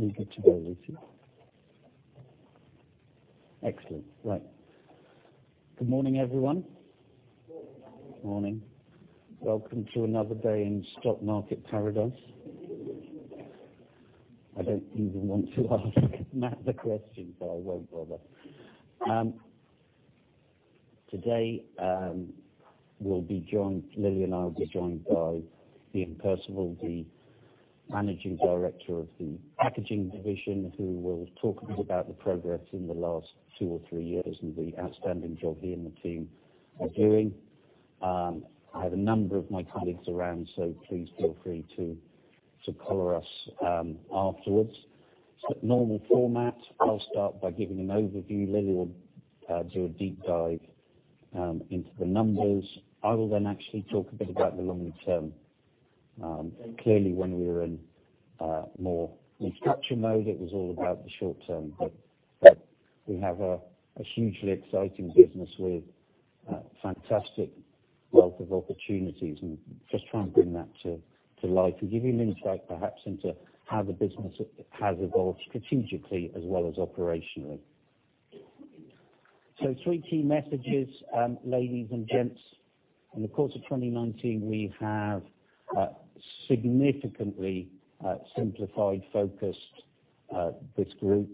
Welcome to another day in stock market paradise. I don't even want to ask another question, I won't bother. Today, Lily and I will be joined by Iain Percival, the Managing Director of Essentra Packaging, who will talk a bit about the progress in the last two or three years and the outstanding job he and the team are doing. I have a number of my colleagues around, please feel free to collar us afterwards. Normal format, I'll start by giving an overview. Lily will do a deep dive into the numbers. I will actually talk a bit about the long-term. When we were in more restructure mode, it was all about the short-term, but we have a hugely exciting business with a fantastic wealth of opportunities, and just try and bring that to life and give you an insight, perhaps, into how the business has evolved strategically as well as operationally. Three key messages, ladies and gents. In the course of 2019, we have significantly simplified, focused this group.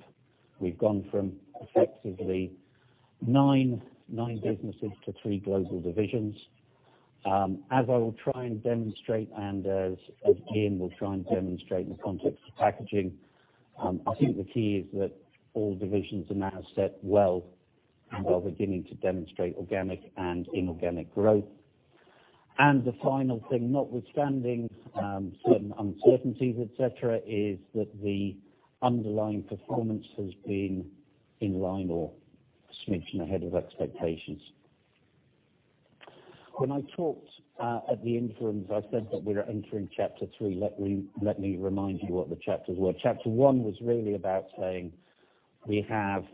We've gone from effectively nine businesses to three global divisions. As I will try and demonstrate, and as Iain will try and demonstrate in the context of Packaging, I think the key is that all divisions are now set well and are beginning to demonstrate organic and inorganic growth. The final thing, notwithstanding some uncertainties, et cetera, is that the underlying performance has been in line or a smidgen ahead of expectations. When I talked at the interims, I said that we're entering chapter three. Let me remind you what the chapters were. Chapter one was really about saying, we have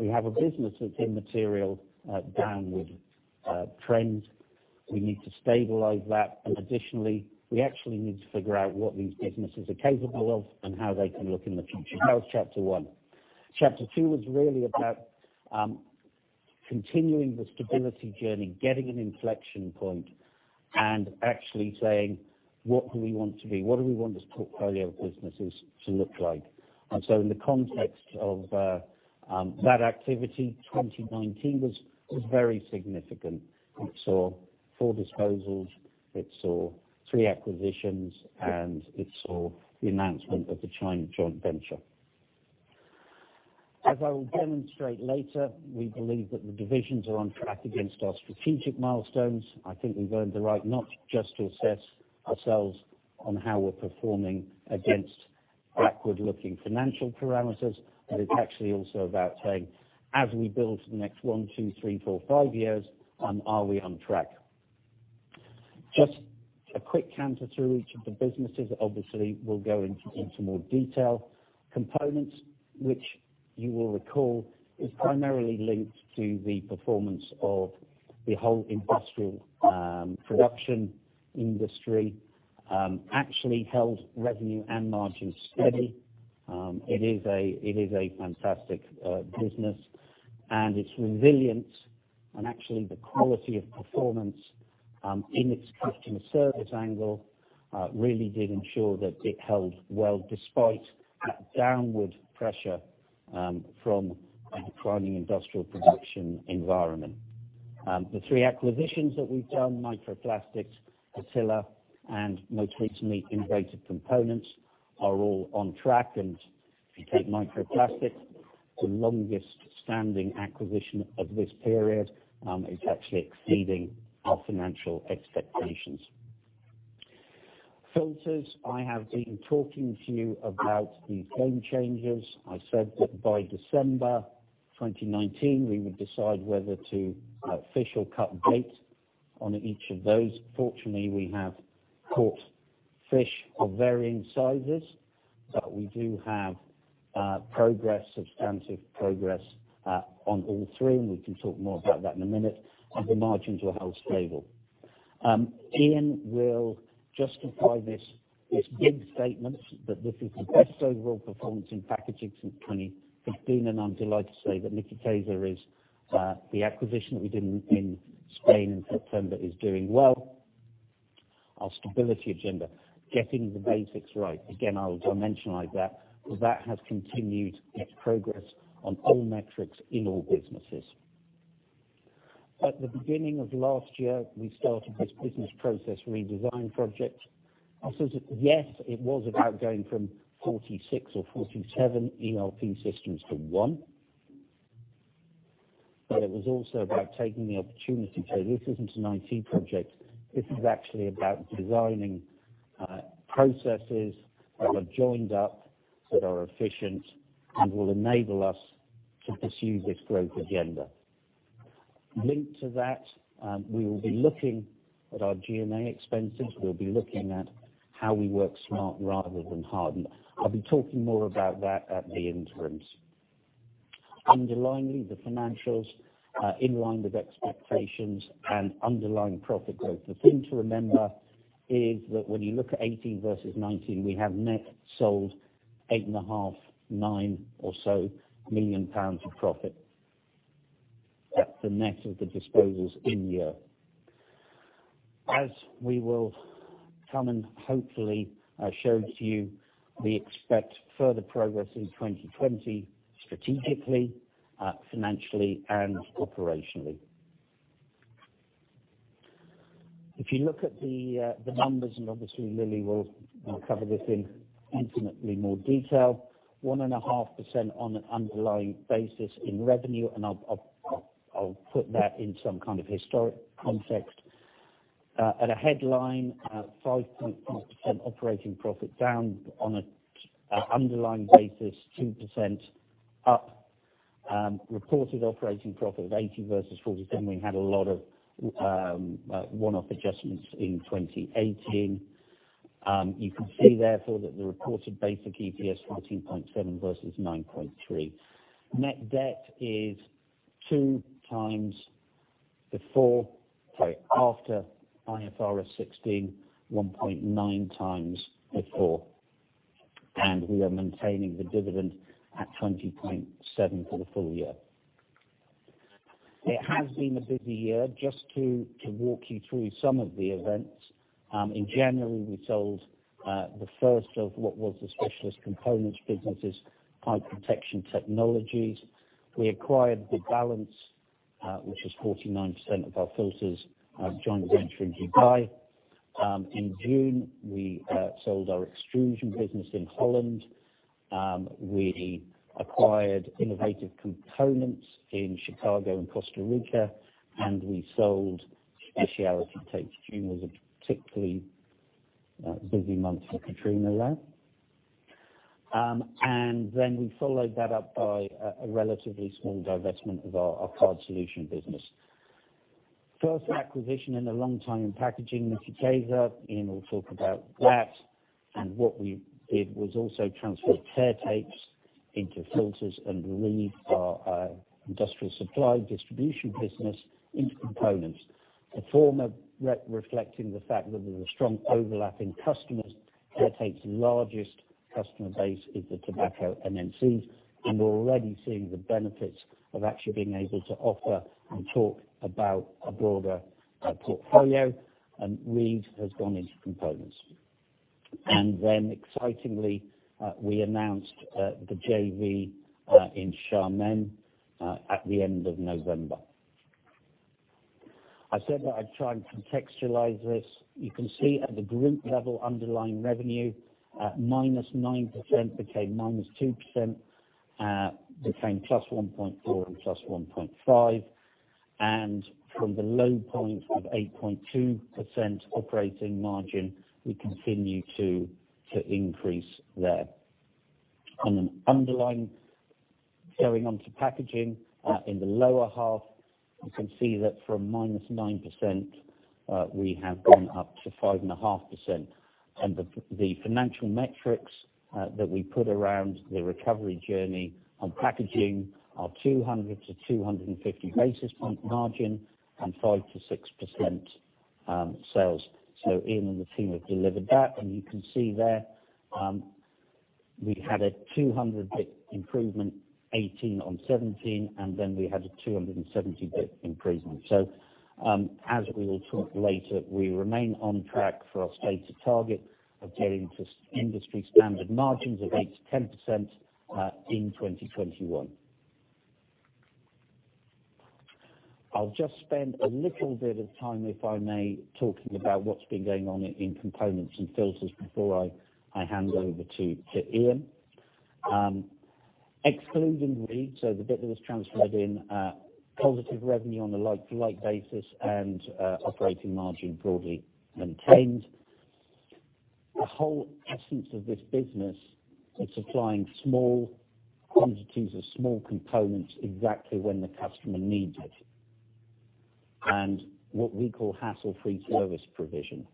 a business with immaterial downward trend. We need to stabilize that. Additionally, we actually need to figure out what these businesses are capable of and how they can look in the future. That was chapter one. Chapter two was really about continuing the stability journey, getting an inflection point, and actually saying, what do we want to be? What do we want this portfolio of businesses to look like? In the context of that activity, 2019 was very significant. It saw four disposals, it saw three acquisitions, and it saw the announcement of the China joint venture. As I will demonstrate later, we believe that the divisions are on track against our strategic milestones. I think we've earned the right not just to assess ourselves on how we're performing against backward-looking financial parameters, but it's actually also about saying, as we build the next one, two, three, four, five years, are we on track? Just a quick canter through each of the businesses. Obviously, we'll go into more detail. Components, which you will recall, is primarily linked to the performance of the whole industrial production industry, actually held revenue and margins steady. It is a fantastic business, and its resilience and actually the quality of performance in its customer service angle really did ensure that it held well despite downward pressure from a declining industrial production environment. The three acquisitions that we've done, Micro Plastics, Hertila, and most recently, Innovative Components, are all on track. If you take Micro Plastics, the longest standing acquisition of this period, it's actually exceeding our financial expectations. Filters, I have been talking to you about the game changers. I said that by December 2019, we would decide whether to fish or cut bait on each of those. Fortunately, we have caught fish of varying sizes, but we do have progress, substantive progress, on all three, and we can talk more about that in a minute, and the margins are held stable. Iain will justify this big statement that this is the best overall performance in packaging since 2015, and I'm delighted to say that Nekicesa, the acquisition that we did in Spain in September, is doing well. Our stability agenda, getting the basics right. Again, I will dimensionalize that, because that has continued its progress on all metrics in all businesses. At the beginning of last year, we started this business process redesign project. I said, yes, it was about going from 46 or 47 ERP systems to one. It was also about taking the opportunity to. This isn't an IT project. This is actually about designing processes that are joined up, that are efficient, and will enable us to pursue this growth agenda. Linked to that, we will be looking at our G&A expenses. We'll be looking at how we work smart rather than hard. I'll be talking more about that at the interims. Underlying the financials are in line with expectations and underlying profit growth. The thing to remember is that when you look at 2018 versus 2019, we have net sold 8.5 million, 9 million or so million of profit. That's the net of the disposals in year. We will come and hopefully show to you, we expect further progress in 2020 strategically, financially, and operationally. If you look at the numbers, obviously Lily will cover this in infinitely more detail, 1.5% on an underlying basis in revenue, I'll put that in some kind of historic context. At a headline, 5.2% operating profit down on an underlying basis, 2% up reported operating profit of 80 versus 47. We had a lot of one-off adjustments in 2018. You can see therefore that the reported basic EPS, 14.7 versus 9.3. Net debt is two times after IFRS 16, 1.9 times before. We are maintaining the dividend at 20.7 for the full year. It has been a busy year. Just to walk you through some of the events. In January, we sold the first of what was the specialist components businesses, Fire Protection Technologies. We acquired the balance, which was 49% of our filters, a joint venture in Dubai. In June, we sold our extrusion business in Holland. We acquired Innovative Components in Chicago and Costa Rica, and we sold Speciality Tapes. June was a particularly busy month for Katrina there. We followed that up by a relatively small divestment of our Card Solutions business. First acquisition in a long time in packaging with Nekicesa, Iain will talk about that. What we did was also transferred Tear Tapes into Filters and moved our Industrial Supply distribution business into Components. The former reflecting the fact that there's a strong overlap in customers. Tear Tapes largest customer base is the tobacco MNCs, and we're already seeing the benefits of actually being able to offer and talk about a broader portfolio, and Reid has gone into Components. Excitingly, we announced the JV in Xiamen at the end of November. I said that I'd try and contextualize this. You can see at the group level, underlying revenue at -9% became -2%, became +1.4 and +1.5. From the low point of 8.2% operating margin, we continue to increase there. On an underlying, going on to Packaging, in the lower half, you can see that from -9% we have gone up to 5.5%. The financial metrics that we put around the recovery journey on Packaging are 200 basis point-250 basis point margin and 5%-6% sales. Iain and the team have delivered that, and you can see there we had a 200 bit improvement 2018 on 2017, and then we had a 270 bit improvement. As we will talk later, we remain on track for our stated target of getting to industry standard margins of 8%-10% in 2021. I'll just spend a little bit of time, if I may, talking about what's been going on in Components and Filters before I hand over to Iain. Excluding Reid, so the bit that was transferred in positive revenue on a like-to-like basis and operating margin broadly maintained. The whole essence of this business is supplying small quantities of small components exactly when the customer needs it and what we call hassle-free service provision.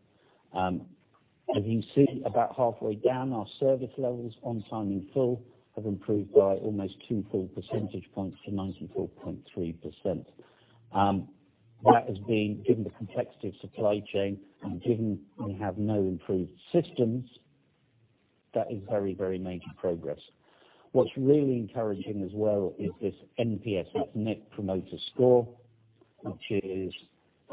As you see about halfway down, our service levels on time in full have improved by almost two full percentage points to 94.3%. That has been given the complexity of supply chain and given we have no improved systems, that is very major progress. What's really encouraging as well is this NPS, that's Net Promoter Score, which is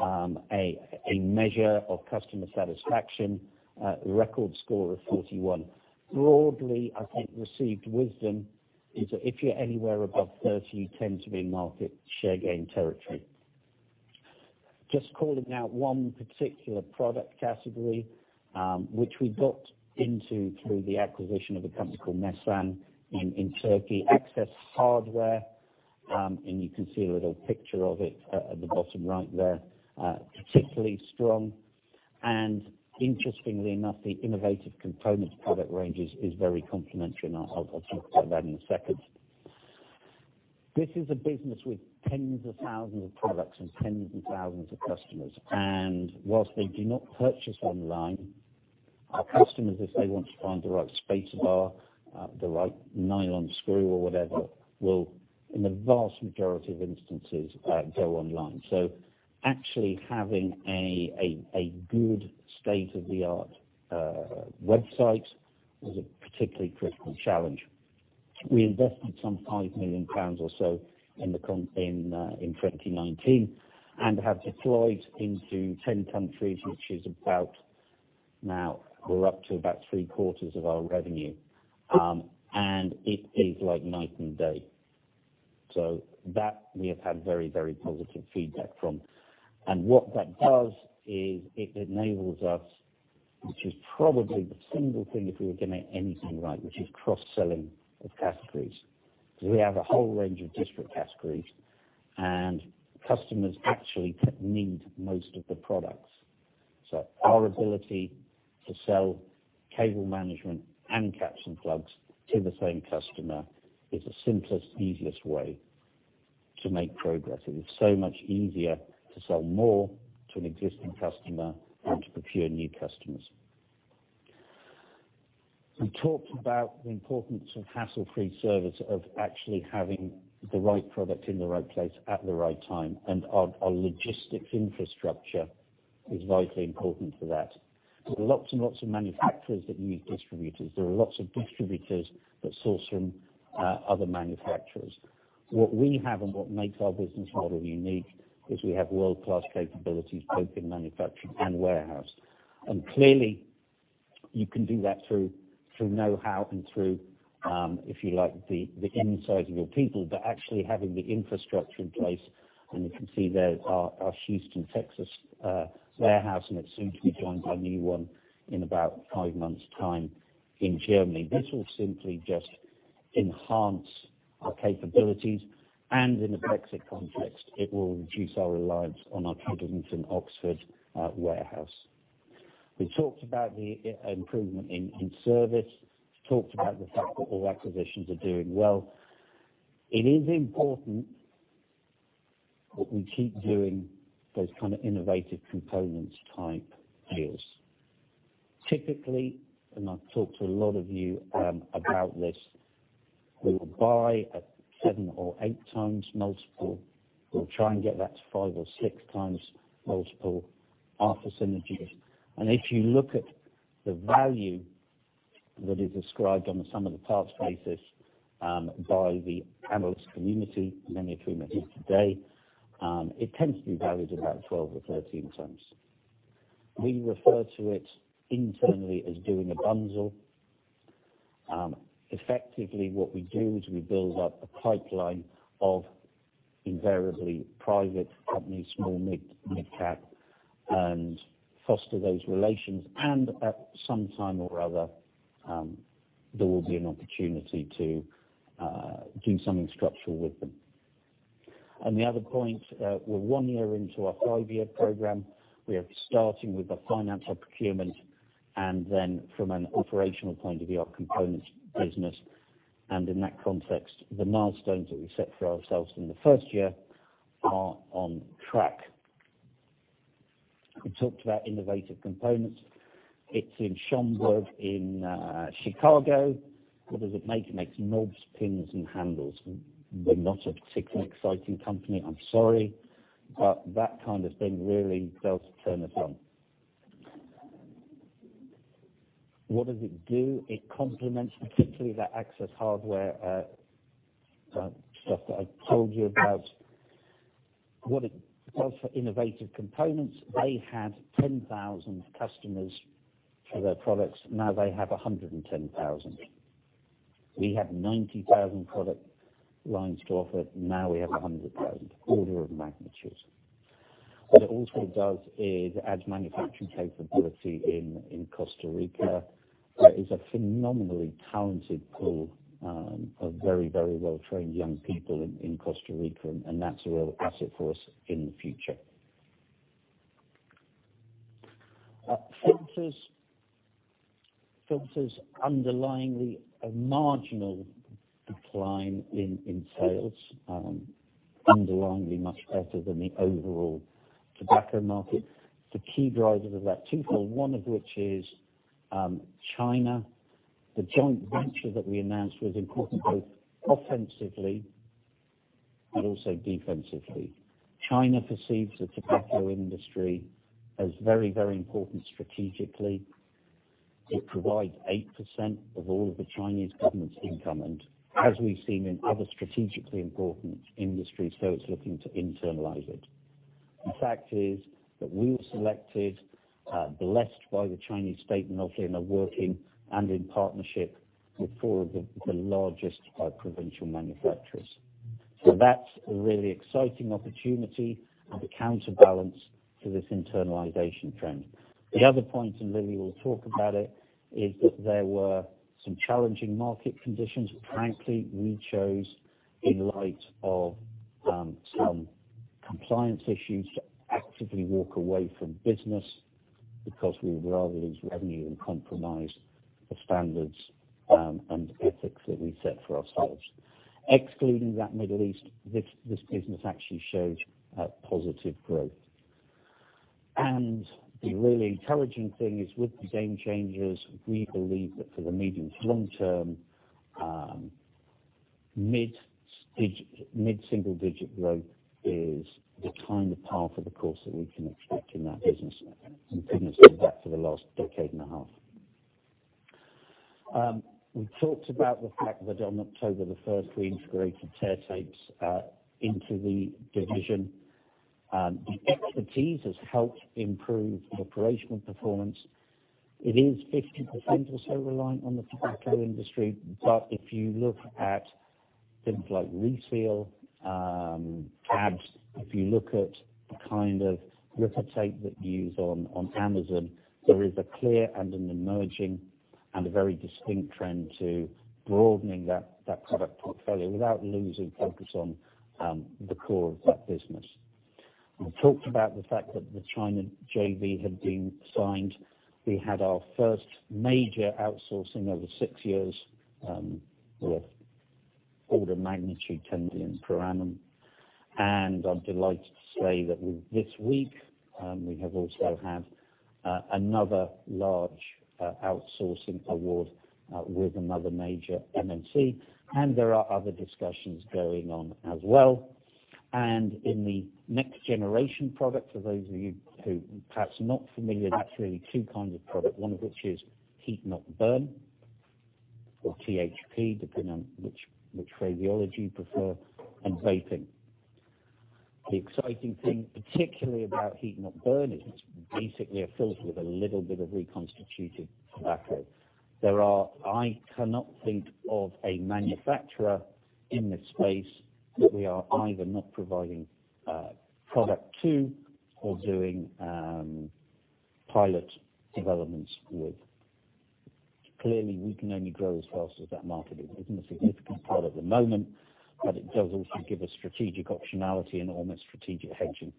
a measure of customer satisfaction, a record score of 41. Broadly, I think received wisdom is that if you're anywhere above 30, you tend to be in market share gain territory. Just calling out one particular product category, which we got into through the acquisition of a company called Mesan in Turkey, Access Hardware, and you can see a little picture of it at the bottom right there. Particularly strong, and interestingly enough, the Innovative Components product range is very complementary, and I'll talk about that in a second. This is a business with 10s of 1,000s of products and 10s of 1,000s of customers. Whilst they do not purchase online. Our customers, if they want to find the right spacer bar, the right nylon screw or whatever, will, in the vast majority of instances, go online. Actually having a good state-of-the-art website was a particularly critical challenge. We invested some 5 million pounds or so in 2019 and have deployed into 10 countries, which is about now, we are up to about three quarters of our revenue. It is like night and day. That we have had very, very positive feedback from. What that does is it enables us, which is probably the single thing if we were going to make anything right, which is cross-selling of categories. We have a whole range of different categories and customers actually need most of the products. Our ability to sell cable management and caps and plugs to the same customer is the simplest, easiest way to make progress. It is so much easier to sell more to an existing customer than to procure new customers. We talked about the importance of hassle-free service, of actually having the right product in the right place at the right time, and our logistics infrastructure is vitally important for that. There are lots and lots of manufacturers that need distributors. There are lots of distributors that source from other manufacturers. What we have and what makes our business model unique is we have world-class capabilities, both in manufacturing and warehouse. Clearly you can do that through knowhow and through, if you like, the insight of your people, but actually having the infrastructure in place, and you can see there our Houston, Texas warehouse, and it is soon to be joined by a new one in about five months time in Germany. This will simply just enhance our capabilities, and in the Brexit context, it will reduce our reliance on our Kidlington, Oxford warehouse. We talked about the improvement in service, talked about the fact that all acquisitions are doing well. It is important that we keep doing those kind of Innovative Components type deals. Typically, I've talked to a lot of you about this, we will buy at 7x or 8x multiple. We'll try and get that to 5x or 6x multiple after synergies. If you look at the value that is ascribed on the sum of the parts basis by the analyst community, many of whom are here today, it tends to be valued about 12x or 13x. We refer to it internally as doing a Bunzl. Effectively what we do is we build up a pipeline of invariably private companies, small, mid-cap, and foster those relations. At some time or other, there will be an opportunity to do something structural with them. The other point, we're one year into our five-year program. We are starting with the financial procurement and then from an operational point of view, our Components business. In that context, the milestones that we set for ourselves in the first year are on track. We talked about Innovative Components. It's in Schaumburg in Chicago. What does it make? It makes knobs, pins and handles. They're not a particularly exciting company, I'm sorry, but that kind of thing really does turn us on. What does it do? It complements particularly that Access Hardware stuff that I told you about. What it does for Innovative Components, they had 10,000 customers for their products, now they have 110,000 customers. We had 90,000 product lines to offer, now we have 100,000 product lines. Order of magnitude. What it also does is adds manufacturing capability in Costa Rica. There is a phenomenally talented pool of very well-trained young people in Costa Rica. That's a real asset for us in the future. Filters underlyingly a marginal decline in sales, underlyingly much better than the overall tobacco market. The key drivers of that twofold, one of which is China. The joint venture that we announced was important both offensively, also defensively. China perceives the tobacco industry as very important strategically. It provides 8% of all of the Chinese government's income. As we've seen in other strategically important industries, it's looking to internalize it. The fact is that we were selected, blessed by the Chinese state, obviously in a working and in partnership with four of the largest provincial manufacturers. That's a really exciting opportunity and a counterbalance to this internalization trend. The other point, Lily will talk about it, is that there were some challenging market conditions. Frankly, we chose in light of some compliance issues to actively walk away from business because we would rather lose revenue than compromise the standards and ethics that we set for ourselves. Excluding that Middle East, this business actually showed a positive growth. The really intelligent thing is with the game changers, we believe that for the medium to long term, mid-single digit growth is the kind of par for the course that we can expect in that business, and fitness has done that for the last decade and a half. We talked about the fact that on October the first we integrated Tear Tapes into the division. The expertise has helped improve the operational performance. It is 50% or so reliant on the tobacco industry. If you look at things like refill tabs, if you look at the kind of ripper tape that you use on Amazon, there is a clear and an emerging and a very distinct trend to broadening that product portfolio without losing focus on the core of that business. I talked about the fact that the China JV had been signed. We had our first major outsourcing over six years, with order magnitude 10 million per annum. I'm delighted to say that this week, we have also had another large outsourcing award with another major MNC, and there are other discussions going on as well. In the next generation product, for those of you who perhaps are not familiar, there are really two kinds of product, one of which is heat-not-burn, or THP, depending on which vocabulary you prefer, and vaping. The exciting thing, particularly about heat-not-burn, is it's basically a filter with a little bit of reconstituted tobacco. I cannot think of a manufacturer in this space that we are either not providing product to or doing pilot developments with. Clearly, we can only grow as fast as that market is. It isn't a significant part at the moment, but it does also give us strategic optionality and almost strategic hedging.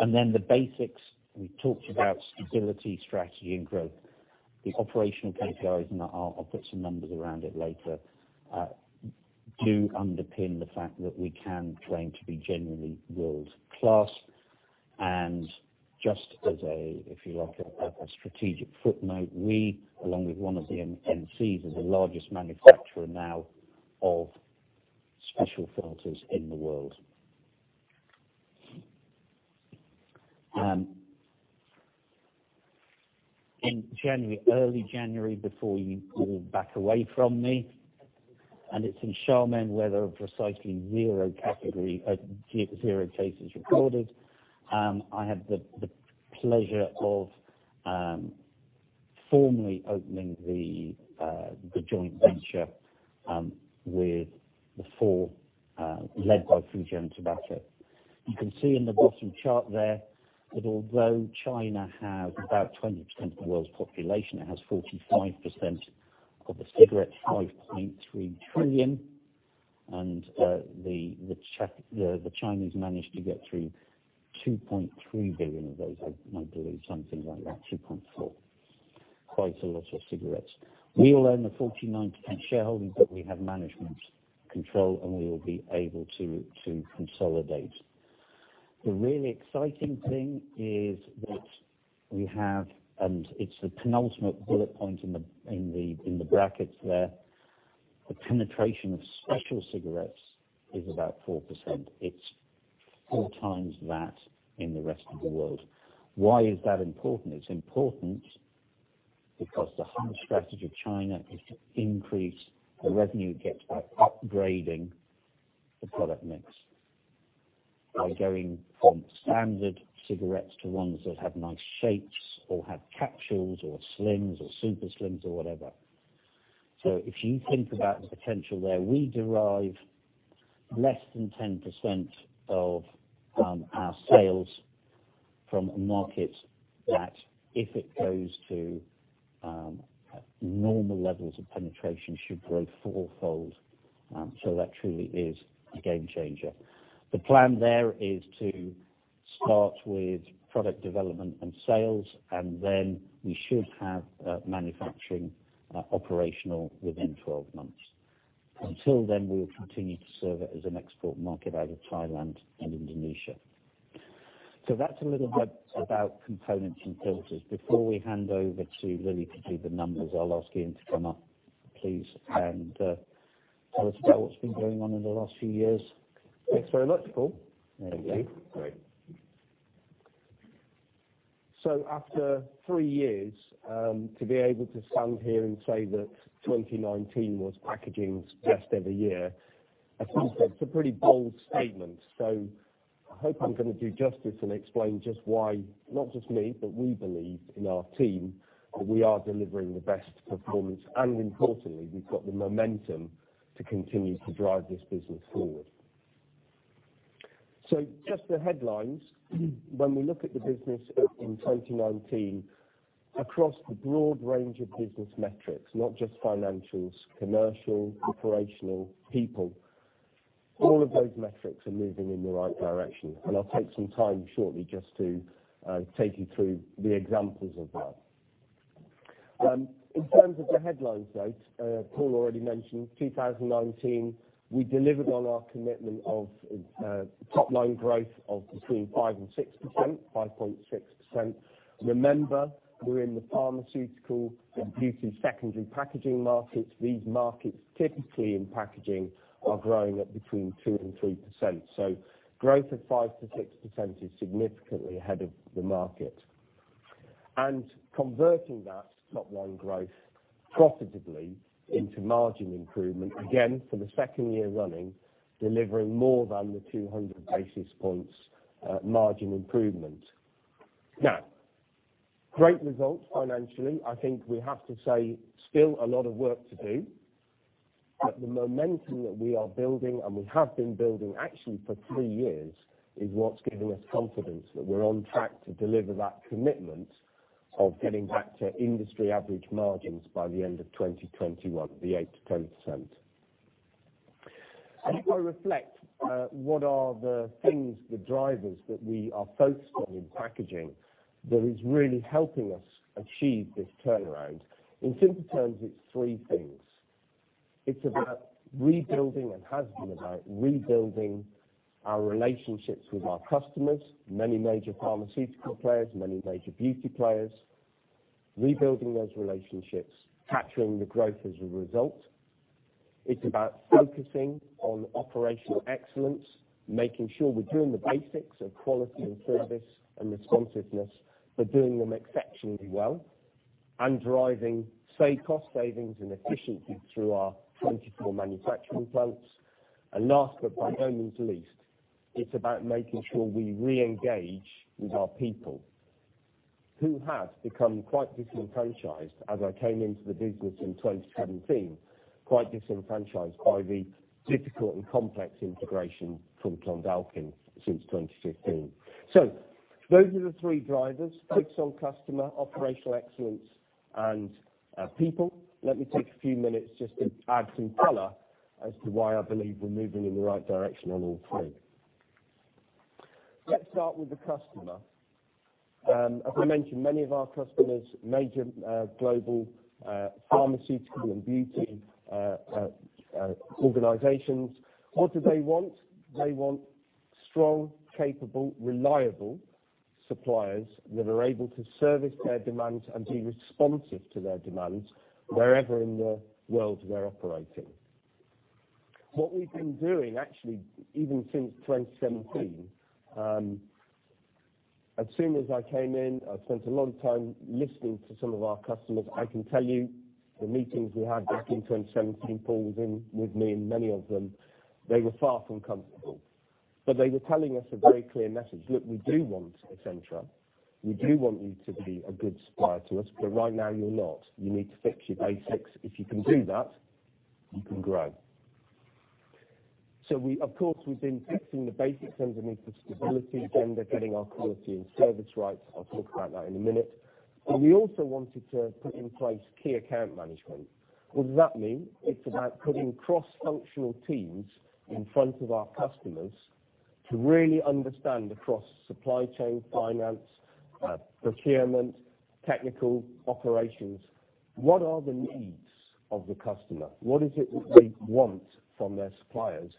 The basics, we talked about stability, strategy and growth. The operational KPIs, and I'll put some numbers around it later, do underpin the fact that we can claim to be genuinely world-class. Just as, if you like, a strategic footnote, we, along with one of the MNCs, is the largest manufacturer now of special filters in the world. In early January, before you all back away from me, and it's in Xiamen, where there are precisely zero cases recorded, I had the pleasure of formally opening the joint venture led by Fujian Tobacco. You can see in the bottom chart there that although China has about 20% of the world's population, it has 45% of the cigarettes, 5.3 trillion, and the Chinese manage to get through 2.3 billion of those, I believe, something like that, 2.4 billion. Quite a lot of cigarettes. We will own the 49% shareholding, but we have management control, and we will be able to consolidate. The really exciting thing is what we have, and it's the penultimate bullet point in the brackets there. The penetration of special cigarettes is about 4%. It's 4 times that in the rest of the world. Why is that important? It's important because the whole strategy of China is to increase the revenue it gets by upgrading the product mix. By going from standard cigarettes to ones that have nice shapes or have capsules or slims or super slims or whatever. If you think about the potential there, we derive less than 10% of our sales from a market that, if it goes to normal levels of penetration, should grow fourfold. That truly is a game changer. The plan there is to start with product development and sales, and then we should have manufacturing operational within 12 months. Until then, we will continue to serve it as an export market out of Thailand and Indonesia. That's a little bit about components and filters. Before we hand over to Lily to do the numbers, I'll ask Iain to come up, please, and tell us about what's been going on in the last few years. Thanks very much, Paul. There you go. After three years, to be able to stand here and say that 2019 was Packaging's best ever year, as you said, it is a pretty bold statement. I hope I am going to do justice and explain just why, not just me, but we believe in our team, that we are delivering the best performance. Importantly, we have got the momentum to continue to drive this business forward. Just the headlines. When we look at the business in 2019, across the broad range of business metrics, not just financials, commercial, operational, people. All of those metrics are moving in the right direction, and I will take some time shortly just to take you through the examples of that. In terms of the headlines, though, Paul already mentioned 2019, we delivered on our commitment of top-line growth of between 5% and 6%, 5.6%. Remember, we're in the pharmaceutical and beauty secondary packaging markets. These markets typically in packaging are growing at between 2%-3%. Growth of 5%-6% is significantly ahead of the market. Converting that top-line growth profitably into margin improvement, again, for the second year running, delivering more than the 200 basis points, margin improvement. Great results financially. I think we have to say, still a lot of work to do. The momentum that we are building, and we have been building actually for three years, is what's giving us confidence that we're on track to deliver that commitment of getting back to industry average margins by the end of 2021, the 8%-10%. As I reflect what are the things, the drivers that we are focusing on in packaging that is really helping us achieve this turnaround. In simple terms, it's three things. It's about rebuilding and has been about rebuilding our relationships with our customers, many major pharmaceutical players, many major beauty players, rebuilding those relationships, capturing the growth as a result. It's about focusing on operational excellence, making sure we're doing the basics of quality and service and responsiveness, but doing them exceptionally well. Driving cost savings and efficiency through our 24 manufacturing plants. Last, but by no means least, it's about making sure we reengage with our people who have become quite disenfranchised as I came into the business in 2017, quite disenfranchised by the difficult and complex integration from Clondalkin since 2015. Those are the three drivers, focus on customer, operational excellence, and people. Let me take a few minutes just to add some color as to why I believe we're moving in the right direction on all three. Let's start with the customer. As I mentioned, many of our customers, major global pharmaceutical and beauty organizations. What do they want? They want strong, capable, reliable suppliers that are able to service their demands and be responsive to their demands wherever in the world they're operating. What we've been doing, actually, even since 2017, as soon as I came in, I spent a lot of time listening to some of our customers. I can tell you the meetings we had back in 2017, Paul was in with me, and many of them, they were far from comfortable. They were telling us a very clear message, "Look, we do want Essentra. We do want you to be a good supplier to us, but right now you're not. You need to fix your basics. If you can do that, you can grow." Of course, we've been fixing the basics underneath the stability agenda, getting our quality and service right. I'll talk about that in a minute. We also wanted to put in place key account management. What does that mean? It's about putting cross-functional teams in front of our customers to really understand across supply chain, finance, procurement, technical operations, what are the needs of the customer? What is it that they want from their suppliers?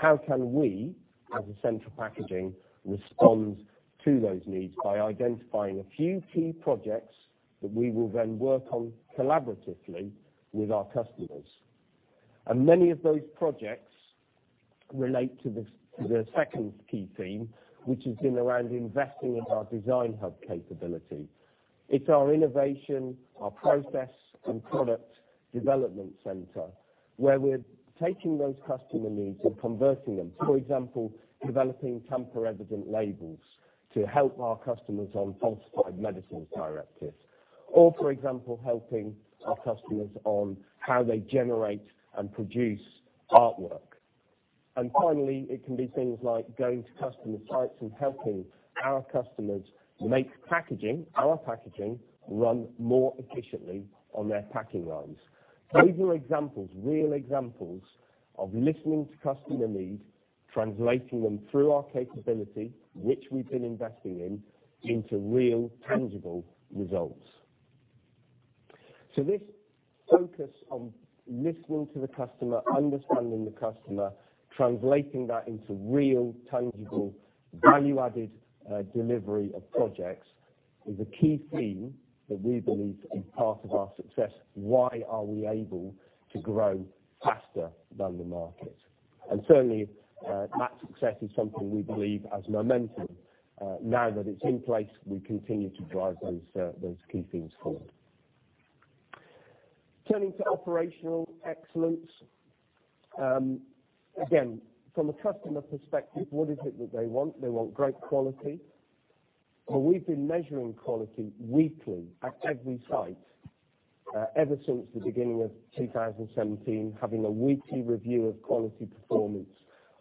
How can we, as Essentra Packaging, respond to those needs by identifying a few key projects that we will then work on collaboratively with our customers. Many of those projects relate to the second key theme, which has been around investing in our design hub capability. It's our innovation, our process, and product development center, where we're taking those customer needs and converting them. For example, developing tamper-evident labels to help our customers on Falsified Medicines Directive. For example, helping our customers on how they generate and produce artwork. Finally, it can be things like going to customer sites and helping our customers make our packaging run more efficiently on their packing lines. Those are examples, real examples of listening to customer needs, translating them through our capability, which we've been investing in, into real tangible results. This focus on listening to the customer, understanding the customer, translating that into real, tangible, value-added, delivery of projects is a key theme that we believe is part of our success. Why are we able to grow faster than the market? Certainly, that success is something we believe has momentum. Now that it's in place, we continue to drive those key things forward. Turning to operational excellence. Again, from a customer perspective, what is it that they want? They want great quality. Well, we've been measuring quality weekly at every site, ever since the beginning of 2017, having a weekly review of quality performance,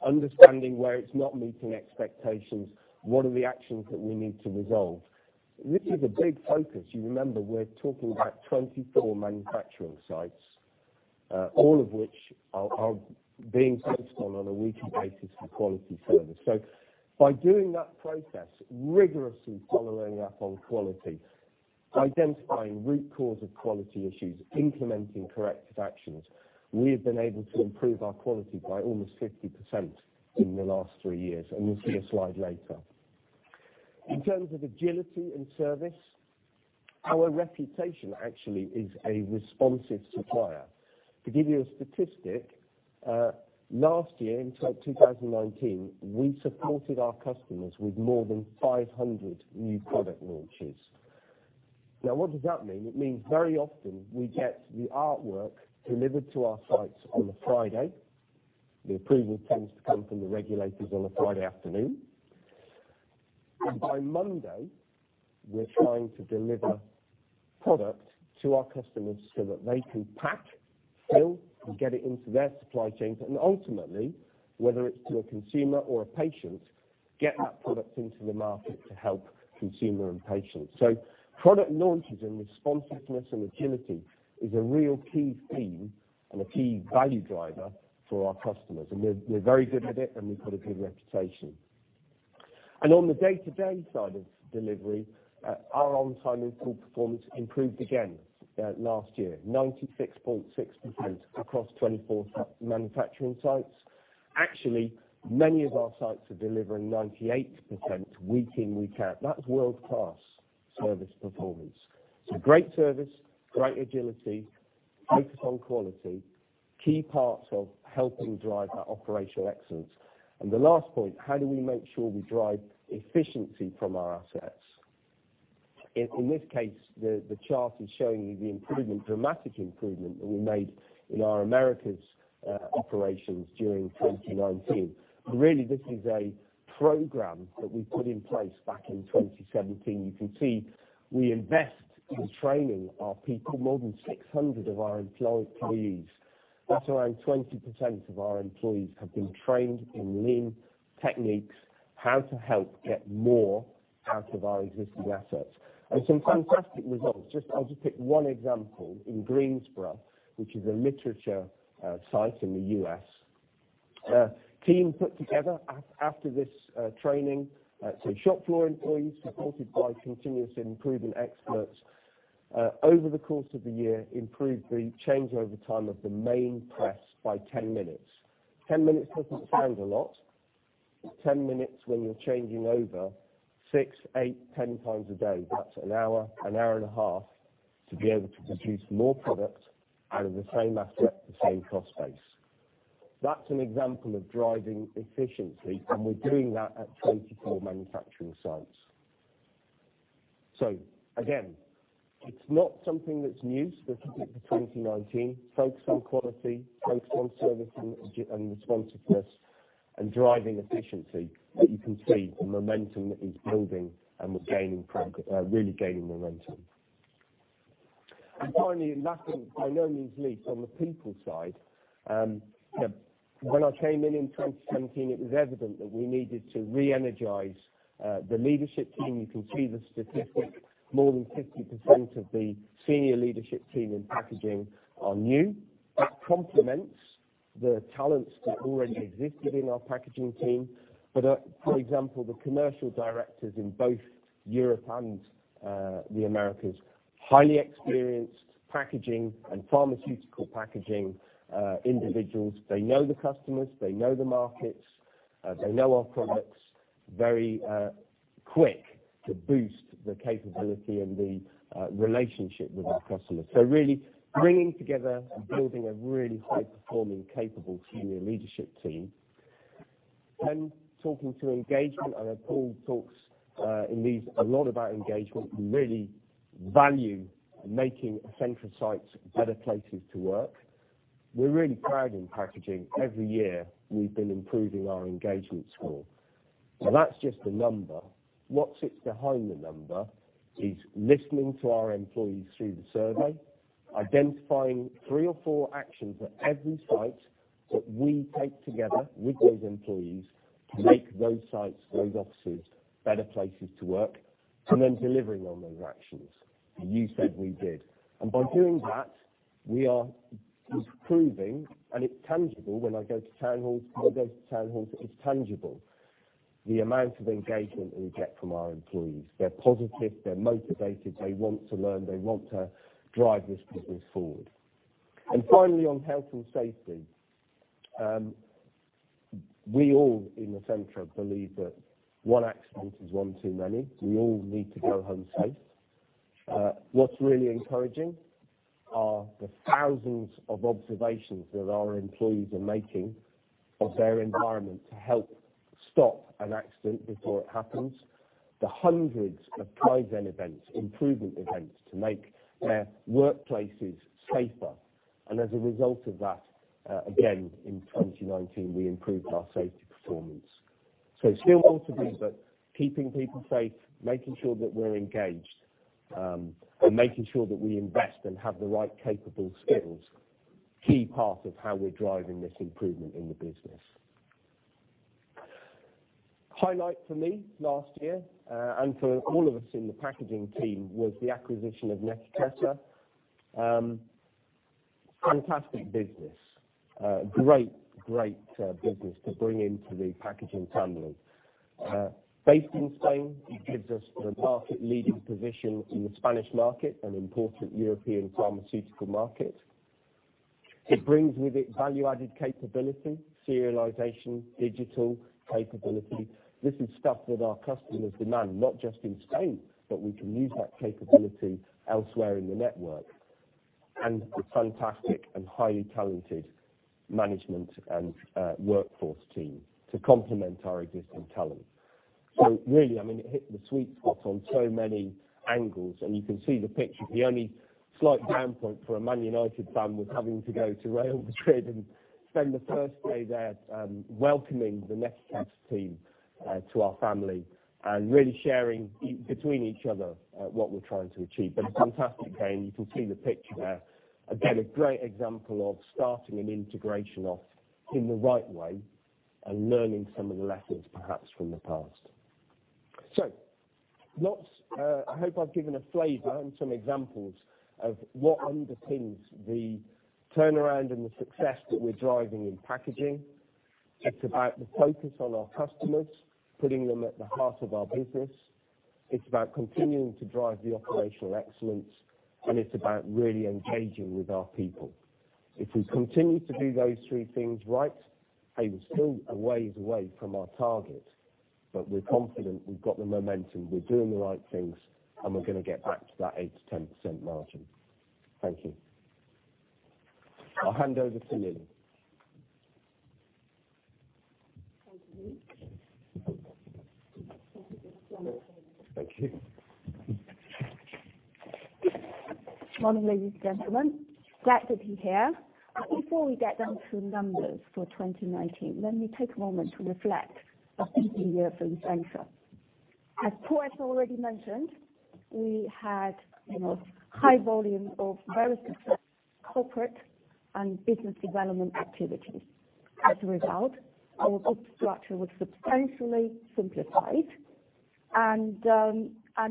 understanding where it's not meeting expectations, what are the actions that we need to resolve. This is a big focus. You remember, we're talking about 24 manufacturing sites, all of which are being focused on a weekly basis, for quality service. By doing that process, rigorously following up on quality, identifying root cause of quality issues, implementing corrective actions, we have been able to improve our quality by almost 50% in the last three years, and you'll see a slide later. In terms of agility and service, our reputation actually is a responsive supplier. To give you a statistic, last year in 2019, we supported our customers with more than 500 new product launches. What does that mean? It means very often we get the artwork delivered to our sites on a Friday. The approval tends to come from the regulators on a Friday afternoon. By Monday, we're trying to deliver product to our customers so that they can pack, fill, and get it into their supply chains, and ultimately, whether it's to a consumer or a patient, get that product into the market to help consumer and patients. Product launches and responsiveness and agility is a real key theme and a key value driver for our customers, and we're very good at it and we've got a good reputation. On the day-to-day side of delivery, our on-time in-full performance improved again, last year, 96.6% across 24 manufacturing sites. Actually, many of our sites are delivering 98% week in, week out. That's world-class service performance. Great service, great agility, focus on quality, key parts of helping drive that operational excellence. The last point, how do we make sure we drive efficiency from our assets? In this case, the chart is showing you the dramatic improvement that we made in our Americas operations during 2019. Really, this is a program that we put in place back in 2017. You can see we invest in training our people. More than 600 of our employees, that's around 20% of our employees, have been trained in lean techniques, how to help get more out of our existing assets. Some fantastic results. I'll just pick one example. In Greensboro, which is a literature site in the U.S., a team put together, after this training, so shop floor employees supported by continuous improvement experts, over the course of the year, improved the changeover time of the main press by 10 minutes. 10 minutes doesn't sound a lot. 10 minutes when you're changing over six, eight, 10 times a day, that's an hour, an hour and a half to be able to produce more product out of the same asset at the same cost base. That's an example of driving efficiency, and we're doing that at 24 manufacturing sites. Again, it's not something that's new, specific to 2019. Focus on quality, focus on service and responsiveness, and driving efficiency, that you can see the momentum that is building and we're really gaining momentum. Finally, last but by no means least, on the people side, when I came in in 2017, it was evident that we needed to re-energize the leadership team. You can see the statistics. More than 50% of the senior leadership team in packaging are new. That complements the talents that already existed in our packaging team. For example, the commercial directors in both Europe and the Americas, highly experienced packaging and pharmaceutical packaging individuals. They know the customers, they know the markets, they know our products. Very quick to boost the capability and the relationship with the customer. Really bringing together and building a really high-performing, capable senior leadership team. Talking to engagement, I know Paul talks in these a lot about engagement, and really value making Essentra sites better places to work. We're really proud in packaging. Every year we've been improving our engagement score. That's just a number. What sits behind the number is listening to our employees through the survey, identifying three or four actions at every site that we take together with those employees to make those sites, those offices, better places to work, and then delivering on those actions. You said, we did. By doing that, we are improving, and it's tangible. When I go to town halls, it's tangible the amount of engagement that we get from our employees. They're positive, they're motivated, they want to learn, they want to drive this business forward. Finally, on health and safety. We all in Essentra believe that one accident is one too many. We all need to go home safe. What's really encouraging are the 1,000s of observations that our employees are making of their environment to help stop an accident before it happens. The hundreds of Kaizen events, improvement events, to make their workplaces safer. As a result of that, again, in 2019, we improved our safety performance. It's still ultimately that keeping people safe, making sure that we're engaged, and making sure that we invest and have the right capable skills, key part of how we're driving this improvement in the business. Highlight for me last year, and for all of us in the Packaging team, was the acquisition of Nekicesa. Fantastic business. Great business to bring into the Packaging family. Based in Spain, it gives us the market-leading position in the Spanish market, an important European pharmaceutical market. It brings with it value-added capability, serialization, digital capability. This is stuff that our customers demand, not just in Spain, but we can use that capability elsewhere in the network, and a fantastic and highly talented management and workforce team to complement our existing talent. Really, it hit the sweet spot on so many angles, and you can see the picture. The only slight down point for a Man United fan was having to go to Real Madrid and spend the first day there welcoming the Nekicesa team to our family, and really sharing between each other what we're trying to achieve. A fantastic day, and you can see the picture there. Again, a great example of starting an integration off in the right way and learning some of the lessons, perhaps from the past. I hope I've given a flavor and some examples of what underpins the turnaround and the success that we're driving in packaging. It's about the focus on our customers, putting them at the heart of our business. It's about continuing to drive the operational excellence, and it's about really engaging with our people. If we continue to do those three things right, we're still a way from our target, but we're confident we've got the momentum. We're doing the right things, and we're going to get back to that 8%-10% margin. Thank you. I'll hand over to Lily. Thank you. Thank you. Morning, ladies and gentlemen. Glad to be here. Before we get down to numbers for 2019, let me take a moment to reflect on the year for Essentra. As Paul has already mentioned, we had high volume of very successful corporate and business development activities. As a result, our group structure was substantially simplified.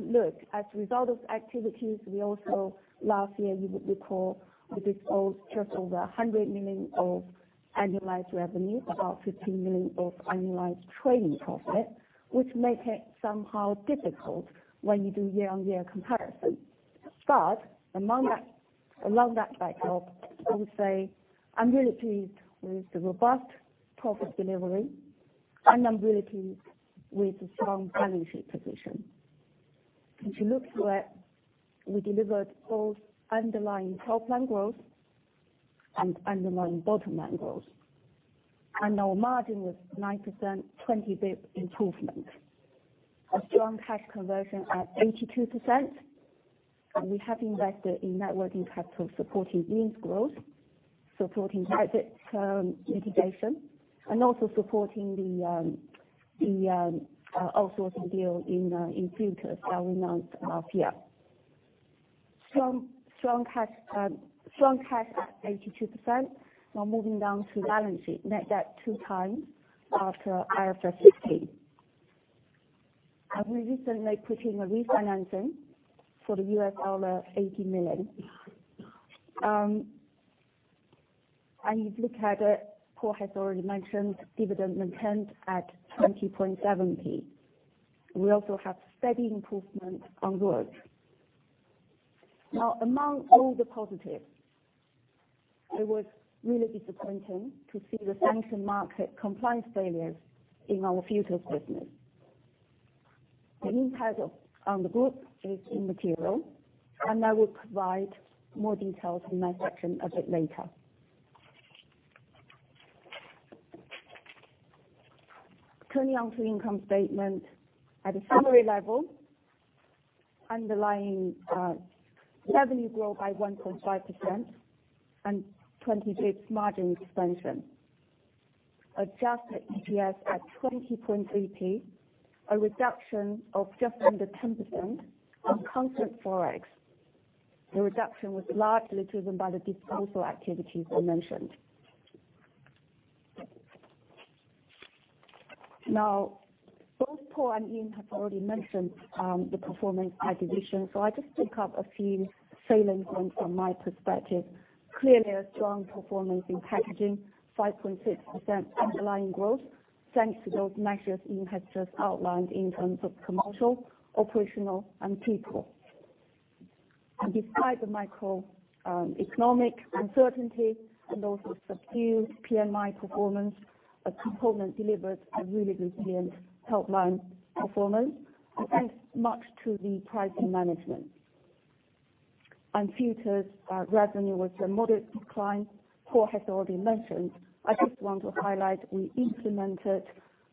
Look, as a result of activities, we also last year, you would recall, we disposed just over 100 million of annualized revenue, about 15 million of annualized trading profit, which make it somehow difficult when you do year-on-year comparison. Among that, I would say I'm really pleased with the robust profit delivery, and I'm really pleased with the strong balance sheet position. If you look at it, we delivered both underlying top-line growth and underlying bottom-line growth. Our margin was 9%, 20 basis points improvement. A strong cash conversion at 82%. We have invested in working capital, supporting Iain's growth, supporting Brexit mitigation, and also supporting the outsourcing deal in Future starting next year. Strong cash at 82%. Now moving down to balance sheet, net debt 2 times after IFRS 16. We recently put in a refinancing for the $80 million. If you look at it, Paul has already mentioned dividend maintained at 0.207. We also have steady improvement on growth. Now, among all the positives, it was really disappointing to see the sanction market compliance failures in our Filters business. The impact on the group is immaterial, and I will provide more details in my section a bit later. Turning on to the income statement. At a summary level, underlying revenue growth by 1.5% and 20 basis points margin expansion. Adjusted EPS at 0.203, a reduction of just under 10% on constant ForEx. The reduction was largely driven by the disposal activities I mentioned. Both Paul and Iain have already mentioned the performance by division, I just pick up a few salient points from my perspective. Clearly a strong performance in packaging, 5.6% underlying growth, thanks to those measures Iain has just outlined in terms of commercial, operational, and people. Despite the macroeconomic uncertainty and also subdued PMI performance, Components delivered a really resilient top-line performance, thanks much to the pricing management. Future's revenue was a modest decline. Paul has already mentioned. I just want to highlight, we implemented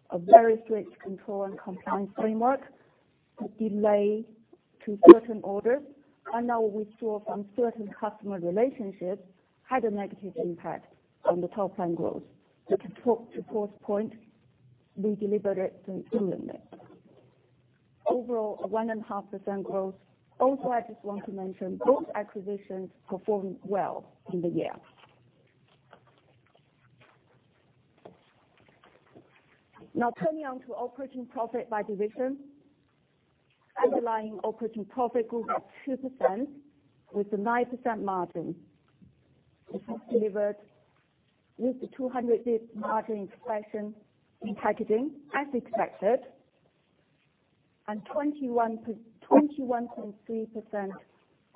a very strict control and compliance framework that delayed certain orders, and our withdrawal from certain customer relationships had a negative impact on the top-line growth. To Paul's point, we delivered it brilliantly. Overall, a 1.5% growth. I just want to mention both acquisitions performed well in the year. Turning on to operating profit by division. Underlying operating profit grew by 2% with a 9% margin. This was delivered with the 200 basis points margin expansion in Packaging as expected, and 21.3%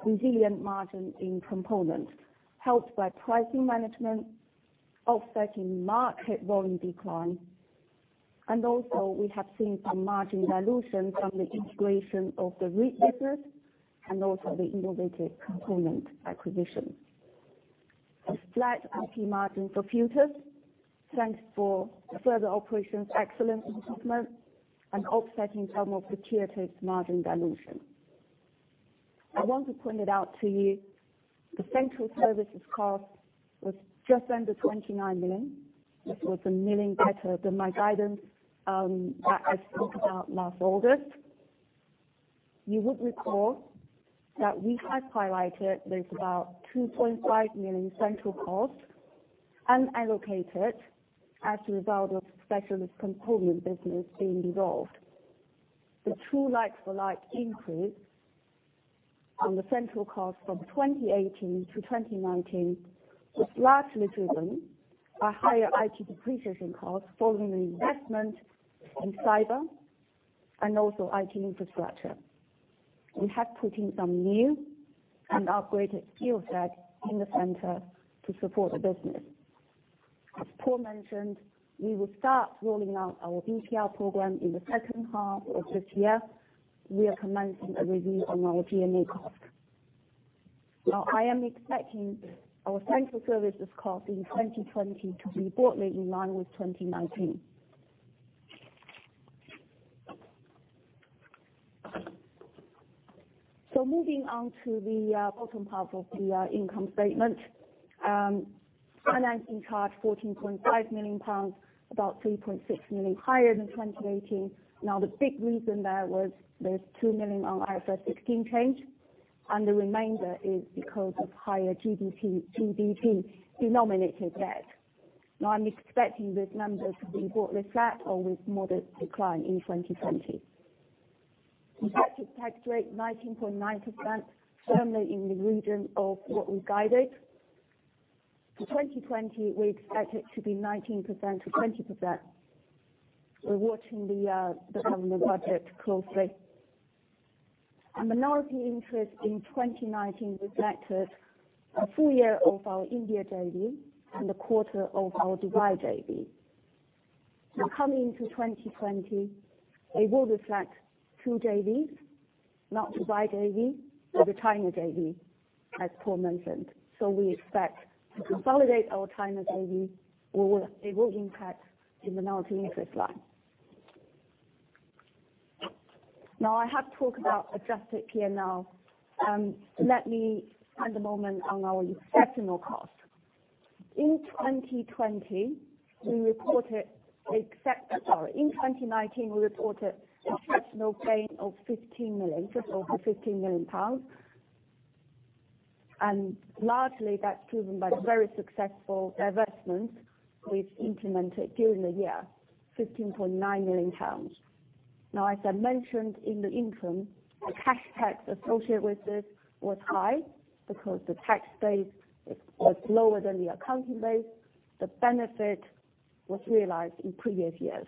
resilient margin in Component, helped by pricing management offsetting market volume decline. We have seen some margin dilution from the integration of the Reid business and also the Innovative Components acquisition. A flat RP margin for futures, thanks for further operations excellence improvement and offsetting some of the creative margin dilution. I want to point it out to you, the central services cost was just under 29 million. This was 1 million better than my guidance that I spoke about last August. You would recall that we had highlighted there is about 2.5 million central costs unallocated as a result of Specialist Components business being dissolved. The true like-for-like increase on the central cost from 2018-2019 was largely driven by higher IT depreciation costs following the investment in cyber and also IT infrastructure. We have put in some new and upgraded skill set in the center to support the business. As Paul mentioned, we will start rolling out our BPR program in the second half of this year. We are commencing a review on our G&A cost. I am expecting our central services cost in 2020 to be broadly in line with 2019. Moving on to the bottom half of the income statement. Financing charge 14.5 million pounds, about 3.6 million higher than 2018. The big reason there was there's 2 million on IFRS 16 change, and the remainder is because of higher GBP-denominated debt. I'm expecting this number to be broadly flat or with moderate decline in 2020. Effective tax rate 19.9%, firmly in the region of what we guided. For 2020, we expect it to be 19%-20%. We're watching the government budget closely. A minority interest in 2019 reflected a full year of our India JV and a quarter of our Dubai JV. Coming into 2020, it will reflect two JVs, not Dubai JV, but the China JV, as Paul mentioned. So we expect to consolidate our China JV, or it will impact the minority interest line. I have talked about adjusted P&L. Let me spend a moment on our exceptional costs. Sorry. In 2019, we reported exceptional gain of 15 million, just over 15 million pounds, and largely that's driven by very successful divestments we've implemented during the year, 15.9 million pounds. Now as I mentioned in the interim, the cash tax associated with this was high because the tax base was lower than the accounting base. The benefit was realized in previous years.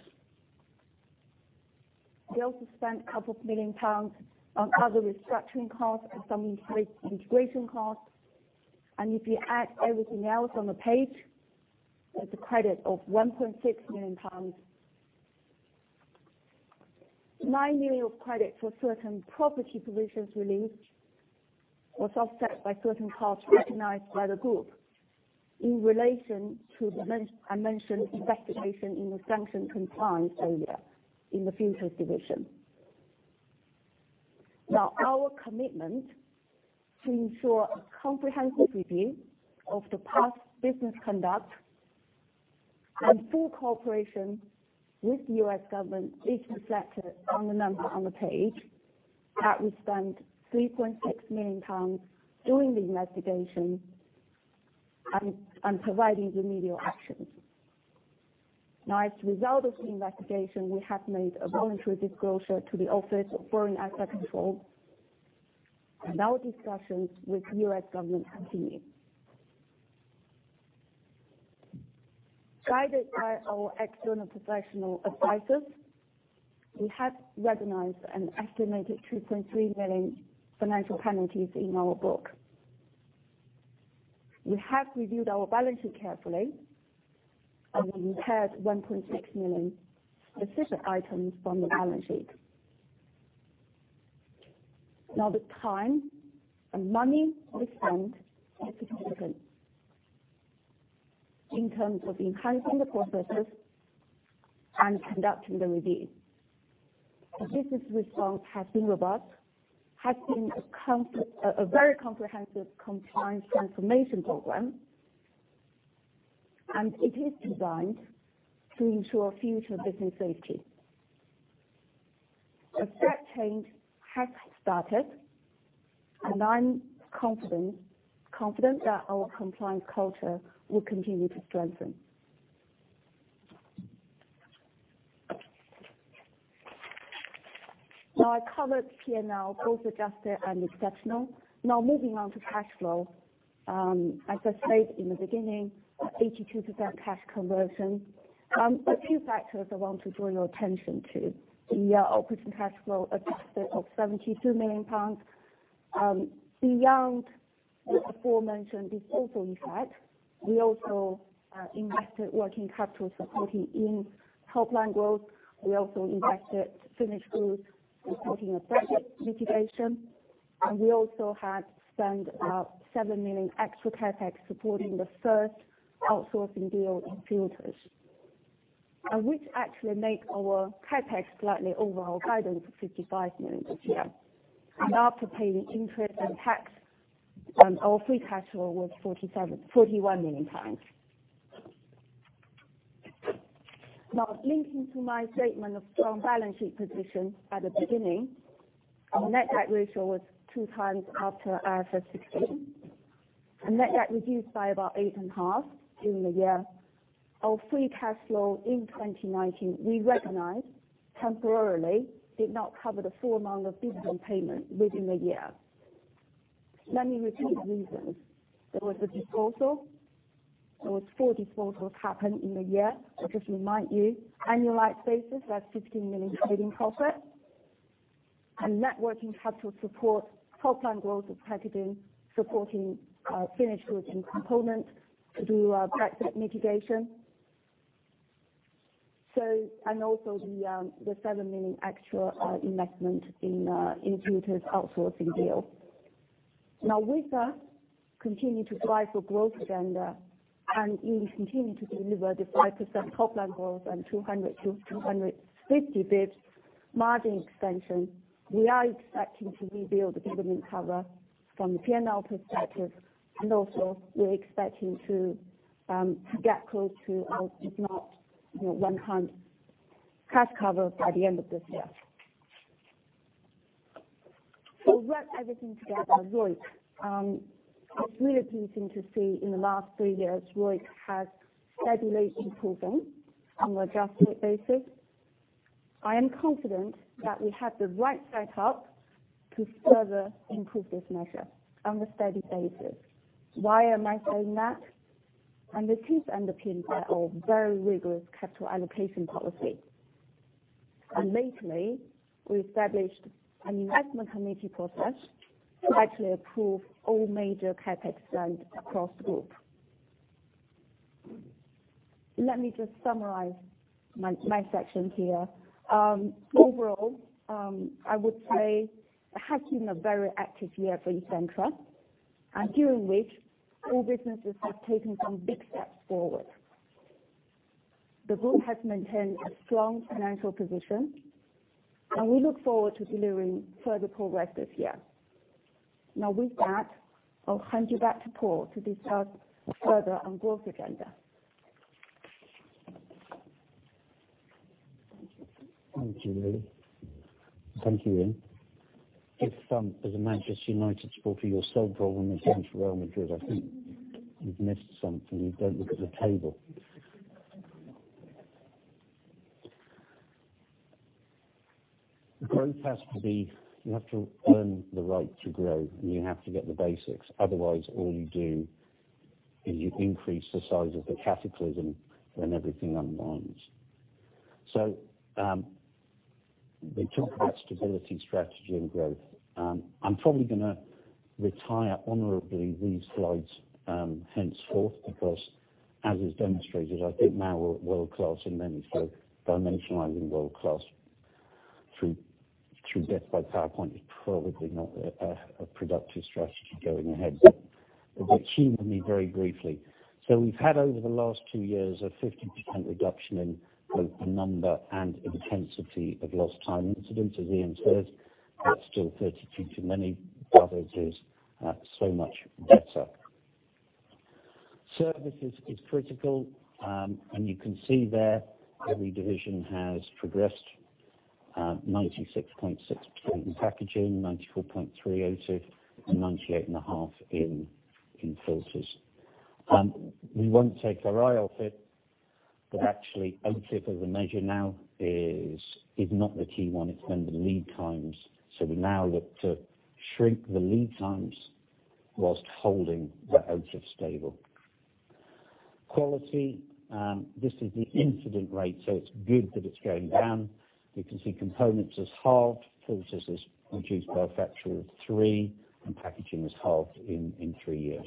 We also spent a couple of million pounds on other restructuring costs and some integration costs. If you add everything else on the page, there's a credit of 1.6 million pounds. 9 million of credit for certain property provisions relieved was offset by certain costs recognized by the group in relation to the, I mentioned, investigation in the sanction compliance area in the futures division. Our commitment to ensure a comprehensive review of the past business conduct and full cooperation with the US government is reflected on the number on the page that we spent 3.6 million pounds during the investigation and providing remedial actions. As a result of the investigation, we have made a voluntary disclosure to the Office of Foreign Assets Control, and our discussions with US government continue. Guided by our external professional advisors, we have recognized an estimated 3.3 million financial penalties in our book. We have reviewed our balance sheet carefully, and we repaired 1.6 million specific items from the balance sheet. The time and money we spent is significant in terms of enhancing the processes and conducting the review. The business response has been robust, a very comprehensive compliance transformation program. It is designed to ensure future business safety. A step change has started, and I'm confident that our compliance culture will continue to strengthen. I covered P&L, both adjusted and exceptional. Moving on to cash flow. As I said in the beginning, 82% cash conversion. A few factors I want to draw your attention to. The operating cash flow adjusted of 72 million pounds. Beyond the aforementioned disposal effect, we also invested working capital supporting in helpline growth. We also invested finished goods, supporting a Brexit mitigation. We also had spent 7 million extra CapEx supporting the first outsourcing deal in filters. Which actually make our CapEx slightly over our guidance of 55 million this year. After paying interest and tax, our free cash flow was 41 million pounds. Linking to my statement of strong balance sheet position at the beginning, our net debt ratio was 2 times after IFRS 16. Our net debt reduced by about 8.5 million during the year. Our free cash flow in 2019, we recognize temporarily did not cover the full amount of dividend payment within the year. Let me repeat the reasons. There was a disposal. There was four disposals happen in the year. I just remind you, annualized basis, that's GBP 15 million trading profit. Net working capital support, top-line growth as credited, supporting finished goods and component to do Brexit mitigation. Also the 7 million actual investment in Filter's outsourcing deal. With that, continue to drive for growth agenda, and Iain continue to deliver the 5% top-line growth and 200 basis points-250 basis points margin expansion. We are expecting to rebuild the dividend cover from the P&L perspective, and also we're expecting to get close to if not 100 cash cover by the end of this year. Wrap everything together, ROIC. It's really pleasing to see in the last three years, ROIC has steadily improving on an adjusted basis. I am confident that we have the right setup to further improve this measure on a steady basis. Why am I saying that? This is underpinned by our very rigorous capital allocation policy. Lately, we established an investment committee process to actually approve all major CapEx spend across group. Let me just summarize my section here. Overall, I would say it has been a very active year for Essentra, and during which all businesses have taken some big steps forward. The group has maintained a strong financial position, and we look forward to delivering further progress this year. With that, I'll hand you back to Paul to discuss further on growth agenda. Thank you, Lily. Thank you, Iain. If as a Manchester United supporter, you're still drawing attention to Real Madrid, I think you've missed something. You don't look at the table. Growth has to be, you have to earn the right to grow, and you have to get the basics. Otherwise, all you do is you increase the size of the cataclysm when everything unwinds. We talk about stability, strategy, and growth. I'm probably going to retire honorably these slides henceforth because as is demonstrated, I think now we're world-class in many. Dimensionalizing world-class through death by PowerPoint is probably not a productive strategy going ahead. Bear with me very briefly. We've had over the last two years a 50% reduction in both the number and intensity of lost time incidents, as Iain said. That's still 32% too many. As is so much better. Services is critical. You can see there every division has progressed 96.6% in packaging, 94.3% OEE, and 98.5% in filters. We won't take our eye off it, but actually OEE as a measure now is not the key one. It's when the lead times. We now look to shrink the lead times whilst holding the OEE stable. Quality. This is the incident rate. It's good that it's going down. You can see components has halved. Filters has reduced by a factor of three. Packaging has halved in three years.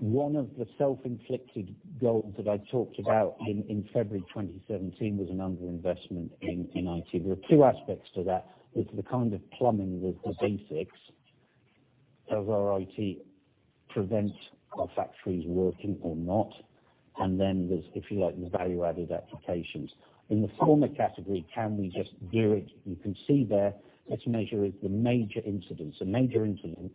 One of the self-inflicted goals that I talked about in February 2017 was an underinvestment in IT. There are two aspects to that. There's the kind of plumbing with the basics of our IT prevent our factories working or not. Then there's, if you like, the value-added applications. In the former category, can we just do it? You can see there, let's measure the major incidents. A major incident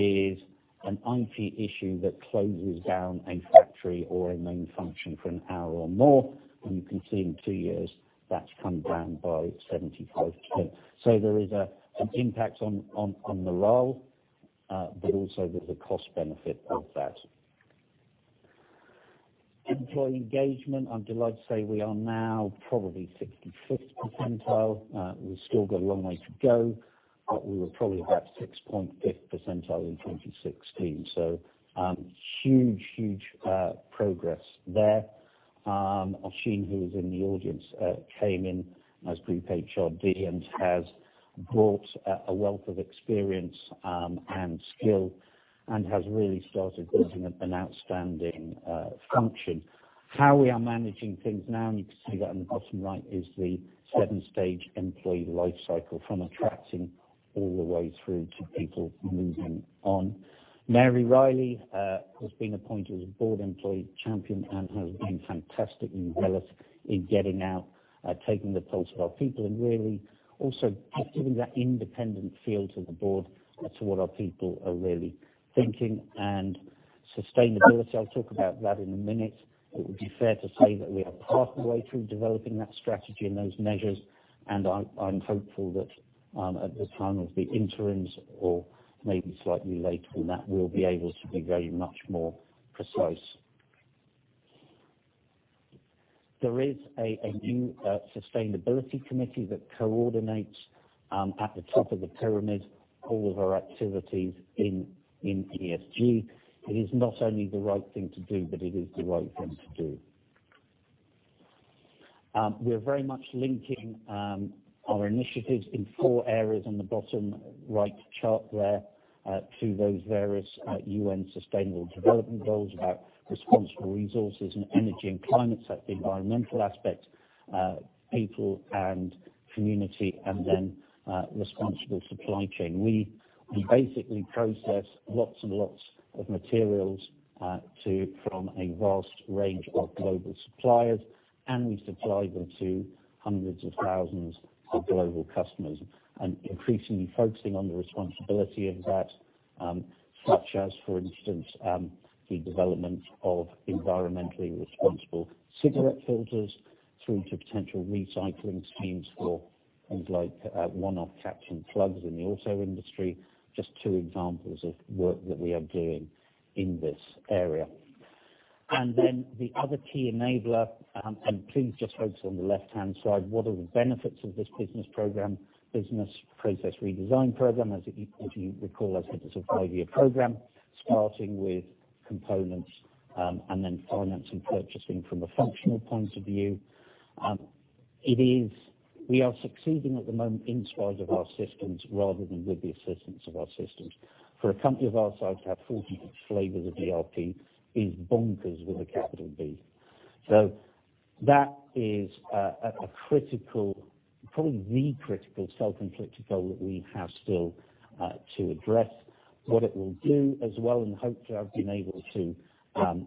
is an IT issue that closes down a factory or a main function for an hour or more. You can see in two years that's come down by 75%. There is an impact on morale, but also there's a cost benefit of that. Employee engagement, I'm delighted to say we are now probably 65th percentile. We've still got a long way to go. We were probably about 6.5th percentile in 2016. Huge progress there. Oshin, who is in the audience, came in as group HRD and has brought a wealth of experience and skill and has really started building up an outstanding function. How we are managing things now, and you can see that in the bottom right, is the seven-stage employee life cycle from attracting all the way through to people moving on. Mary Reilly, who has been appointed as board employee champion and has been fantastically zealous in getting out, taking the pulse of our people and really also actively that independent feel to the board as to what our people are really thinking, and sustainability. I'll talk about that in one minute. It would be fair to say that we are part of the way through developing that strategy and those measures, and I'm hopeful that at the time of the interims or maybe slightly later on that we'll be able to be very much more precise. There is a new Sustainability Committee that coordinates at the top of the pyramid all of our activities in ESG. It is not only the right thing to do, but it is the right thing to do. We are very much linking our initiatives in four areas on the bottom right chart there to those various UN Sustainable Development Goals about responsible resources and energy and climate, so the environmental aspect, people and community, responsible supply chain. We basically process lots and lots of materials from a vast range of global suppliers, and we supply them to 100s of 1,000s of global customers and increasingly focusing on the responsibility of that such as, for instance, the development of environmentally responsible cigarette filters through to potential recycling schemes for things like one-off caption plugs in the auto industry, just two examples of work that we are doing in this area. The other key enabler, and please just focus on the left-hand side. What are the benefits of this business program? Business Process Redesign program, as you recall, is a five-year program starting with components and then finance and purchasing from a functional point of view. We are succeeding at the moment in spite of our systems rather than with the assistance of our systems. For a company of our size to have 40 flavors of ERP is bonkers with a capital B. That is probably the critical self-inflicted goal that we have still to address what it will do as well, and hopefully I've been able to kind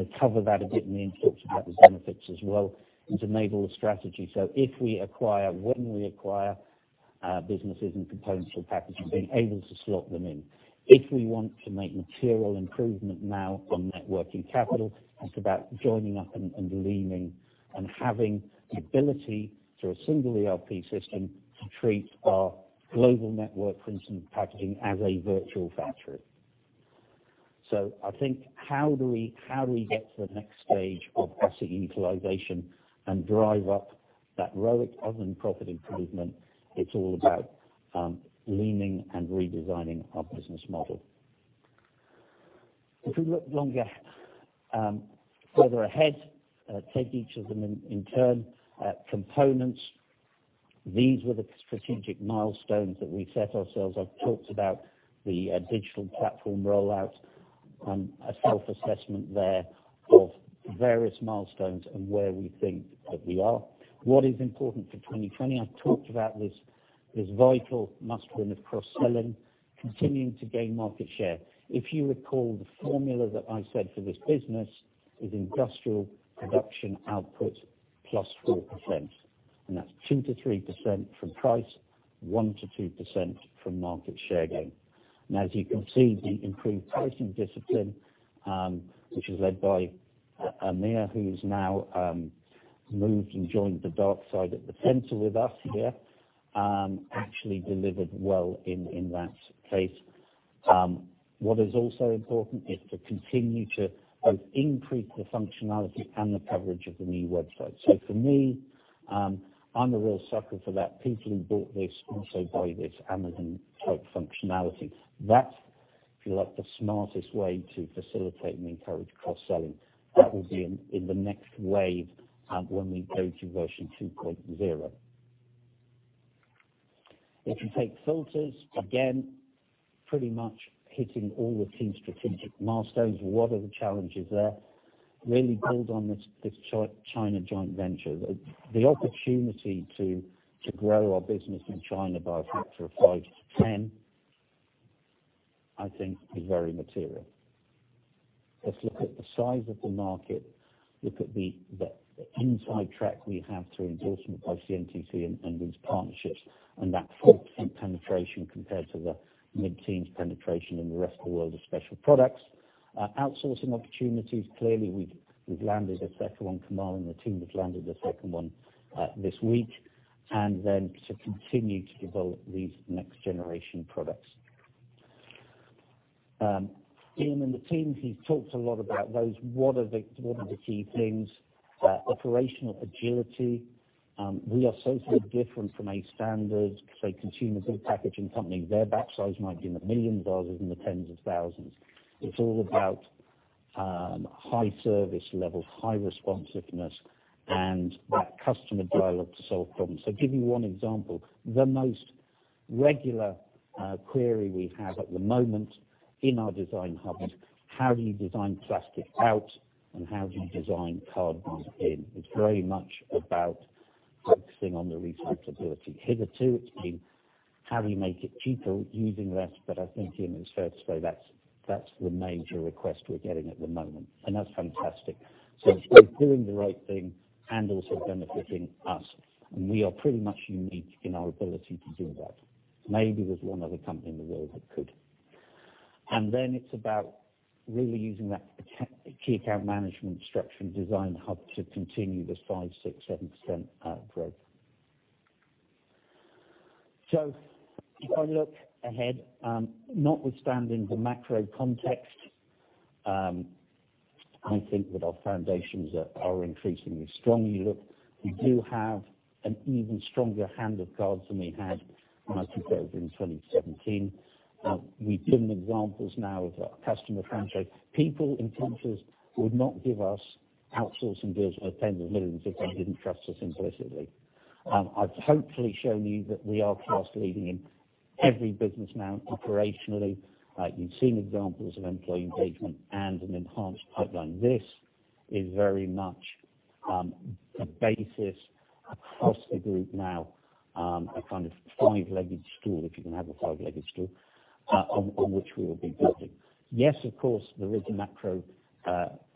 of cover that a bit and the introduction of the benefits as well, is enable the strategy. If we acquire, when we acquire businesses and components for packaging, being able to slot them in. If we want to make material improvement now on net working capital, it's about joining up and lean and having the ability through a single ERP system to treat our global network, for instance, packaging as a virtual factory. I think how do we get to the next stage of asset utilization and drive up that ROIC overall profit improvement? It's all about lean and redesigning our business model. If we look further ahead, take each of them in turn, components. These were the strategic milestones that we set ourselves. I've talked about the digital platform rollout, a self-assessment there of various milestones and where we think that we are. What is important for 2020? I've talked about this vital muscle in cross-selling, continuing to gain market share. If you recall, the formula that I said for this business is industrial production output plus 4%, and that's 2%-3% from price, 1%-2% from market share gain. As you can see, the improved pricing discipline which is led by Amir, who's now moved and joined the dark side at Essentra with us here actually delivered well in that space. What is also important is to continue to both increase the functionality and the coverage of the new website. For me, I'm a real sucker for that people who bought this also buy this Amazon type functionality. That's, if you like, the smartest way to facilitate and encourage cross-selling. That will be in the next wave when we go to version 2.0. If you take filters, again, pretty much hitting all the key strategic milestones. What are the challenges there? Really build on this China joint venture. The opportunity to grow our business in China by a factor of 5-10 I think is very material. Let's look at the size of the market, look at the inside track we have through endorsement by CNTC and these partnerships, and that 4% penetration compared to the mid-teens penetration in the rest of the world of special products. Outsourcing opportunities, clearly, we've landed a second one tomorrow, and the team has landed a second one this week. To continue to develop these next-generation products. Iain and the teams, he's talked a lot about those. What are the key things? Operational agility. We are so sort of different from a standard, say, consumer goods packaging company. Their back size might be in the $1 million, in the 10s of 1,000s. It's all about high service levels, high responsiveness, and that customer dialogue to solve problems. I'll give you one example. The most regular query we have at the moment in our design hubs, how do you design plastic out and how do you design cardboard in? It's very much about focusing on the reusability. Hitherto, it's been how do you make it cheaper using less, but I think Iain is fair to say that's the major request we're getting at the moment, and that's fantastic. It's both doing the right thing and also benefiting us, and we are pretty much unique in our ability to do that. Maybe there's one other company in the world that could. It's about really using that key account management structure and design hub to continue this 5%, 6%, 7% growth. If I look ahead, notwithstanding the macro context, I think that our foundations are increasingly strong. Look, we do have an even stronger hand of cards than we had when I took over in 2017. We've given examples now of customer franchise. People in containers would not give us outsourcing deals worth 10s of millions if they didn't trust us implicitly. I've hopefully shown you that we are class-leading in every business now operationally. You've seen examples of employee engagement and an enhanced pipeline. This is very much the basis across the group now, a kind of five-legged stool, if you can have a five-legged stool, on which we will be building. Yes, of course, there is macro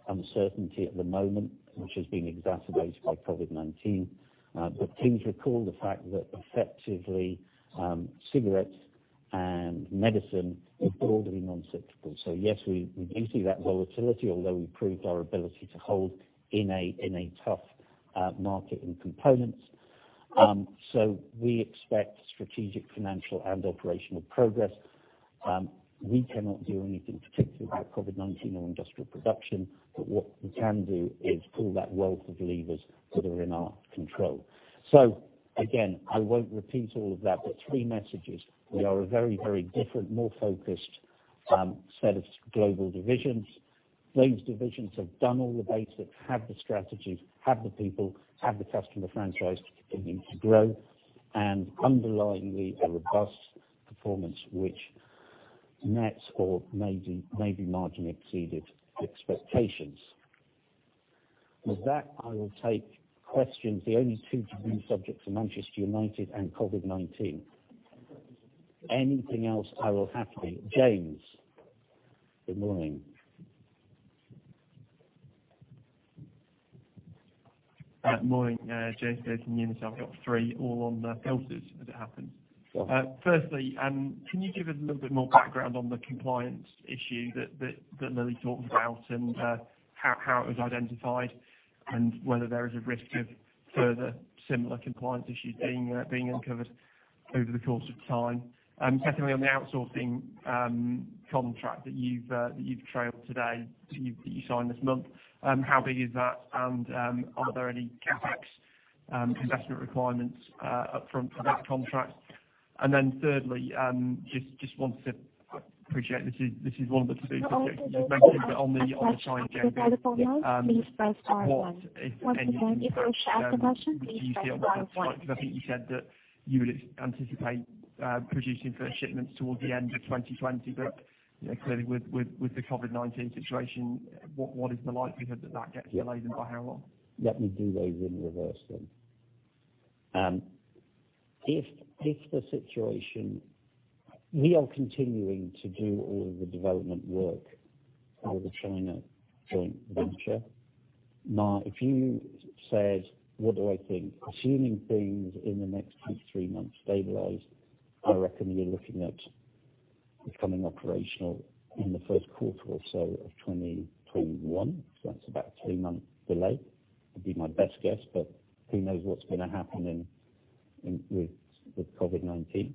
uncertainty at the moment, which has been exacerbated by COVID-19. Please recall the fact that effectively, cigarettes and medicine are broadly non-cyclical. Yes, we do see that volatility, although we proved our ability to hold in a tough market in components. We expect strategic, financial, and operational progress. We cannot do anything particularly about COVID-19 or industrial production, but what we can do is pull that wealth of levers that are in our control. Again, I won't repeat all of that, but three messages. We are a very, very different, more focused set of global divisions. Those divisions have done all the basics, have the strategies, have the people, have the customer franchise to continue to grow, and underlying the robust performance which nets or maybe margin exceeded expectations. With that, I will take questions, the only two taboo subjects are Manchester United and COVID-19. Anything else, I will happily. James, good morning. Morning. James Dawson, Numis. I've got three all on filters as it happens. Sure. Firstly, can you give us a little bit more background on the compliance issue that Lily talked about and how it was identified and whether there is a risk of further similar compliance issues being uncovered over the course of time? Secondly, on the outsourcing contract that you've trailed today, that you signed this month, how big is that and are there any CapEx investment requirements up front for that contract? Thirdly, just wanted to appreciate this is one of the taboo subjects you've mentioned, but on the China agenda. I think you said that you would anticipate producing first shipments towards the end of 2020. Clearly with the COVID-19 situation, what is the likelihood that that gets delayed and by how long? Let me do those in reverse. We are continuing to do all of the development work for the China joint venture. If you said, what do I think? Assuming things in the next two, three months stabilize, I reckon you're looking at becoming operational in the first quarter or so of 2021. That's about a two-month delay. It'd be my best guess, who knows what's going to happen with COVID-19.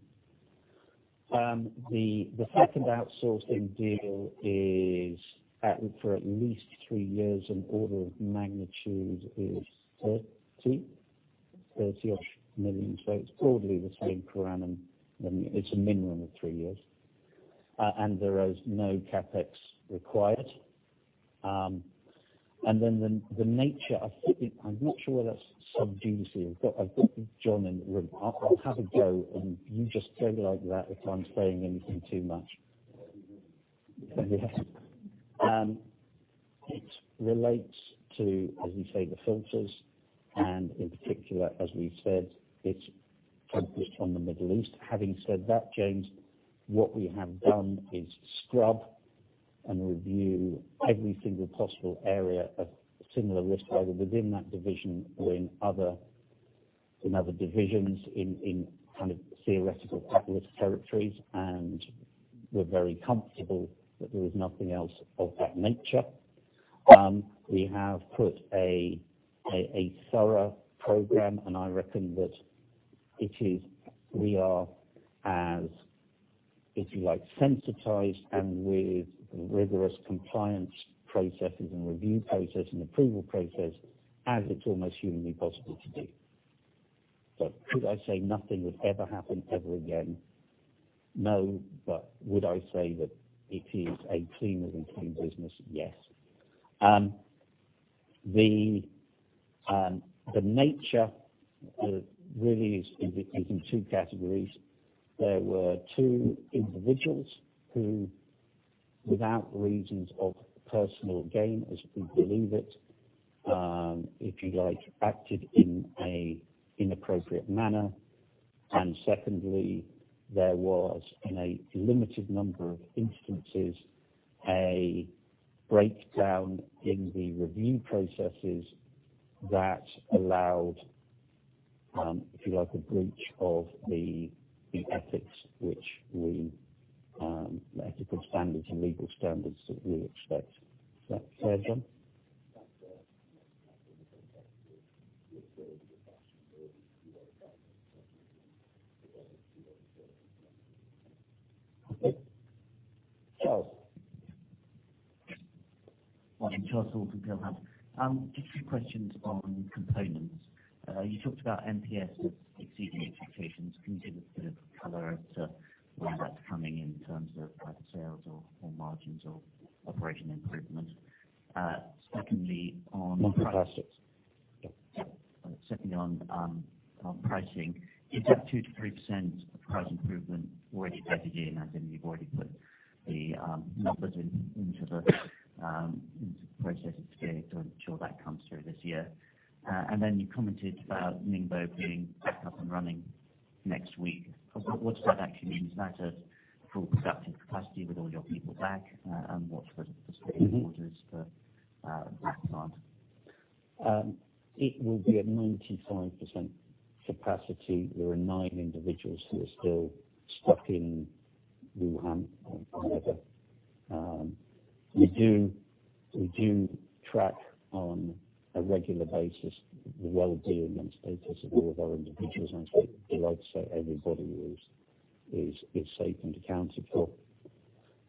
The second outsourcing deal is for at least three years, order of magnitude is 30-ish million. It's broadly the same per annum. It's a minimum of three years. There is no CapEx required. The nature, I'm not sure whether that's sub judice. I've got John in the room. I'll have a go, you just go like that if I'm saying anything too much. Yeah. It relates to, as we say, the filters and in particular, as we said, it's focused on the Middle East. Having said that, James, what we have done is scrub and review every single possible area of similar risk, whether within that division or in other divisions in kind of theoretical populist territories. We're very comfortable that there is nothing else of that nature. We have put a thorough program, I reckon that we are as, if you like, sensitized and with rigorous compliance processes and review process and approval process as it's almost humanly possible to do. Could I say nothing would ever happen ever again? No. Would I say that it is as clean as any business? Yes. The nature really is in two categories. There were two individuals who, without reasons of personal gain, as we believe it, if you like, acted in an inappropriate manner. Secondly, there was, in a limited number of instances, a breakdown in the review processes that allowed, if you like, a breach of the ethical standards and legal standards that we expect. Does that clear it, James? That's it. Okay. Charles. Morning, Charles Hall, Peel Hunt. Just two questions on components. You talked about MPS exceeding expectations. Can you give a bit of color as to when that's coming in terms of either sales or margins or operational improvement? Micro Plastics. Yep. Secondly, on pricing, is that 2%-3% of price improvement already baked in? As in you've already put the numbers into the process. It's scary, I'm sure that comes through this year. You commented about Ningbo being back up and running next week. What does that actually mean? Is that a full productive capacity with all your people back? What's the state of orders for that plant? It will be at 95% capacity. There are nine individuals who are still stuck in Wuhan or whatever. We do track on a regular basis the wellbeing and status of all of our individuals, and I'd like to say everybody is safe and accounted for,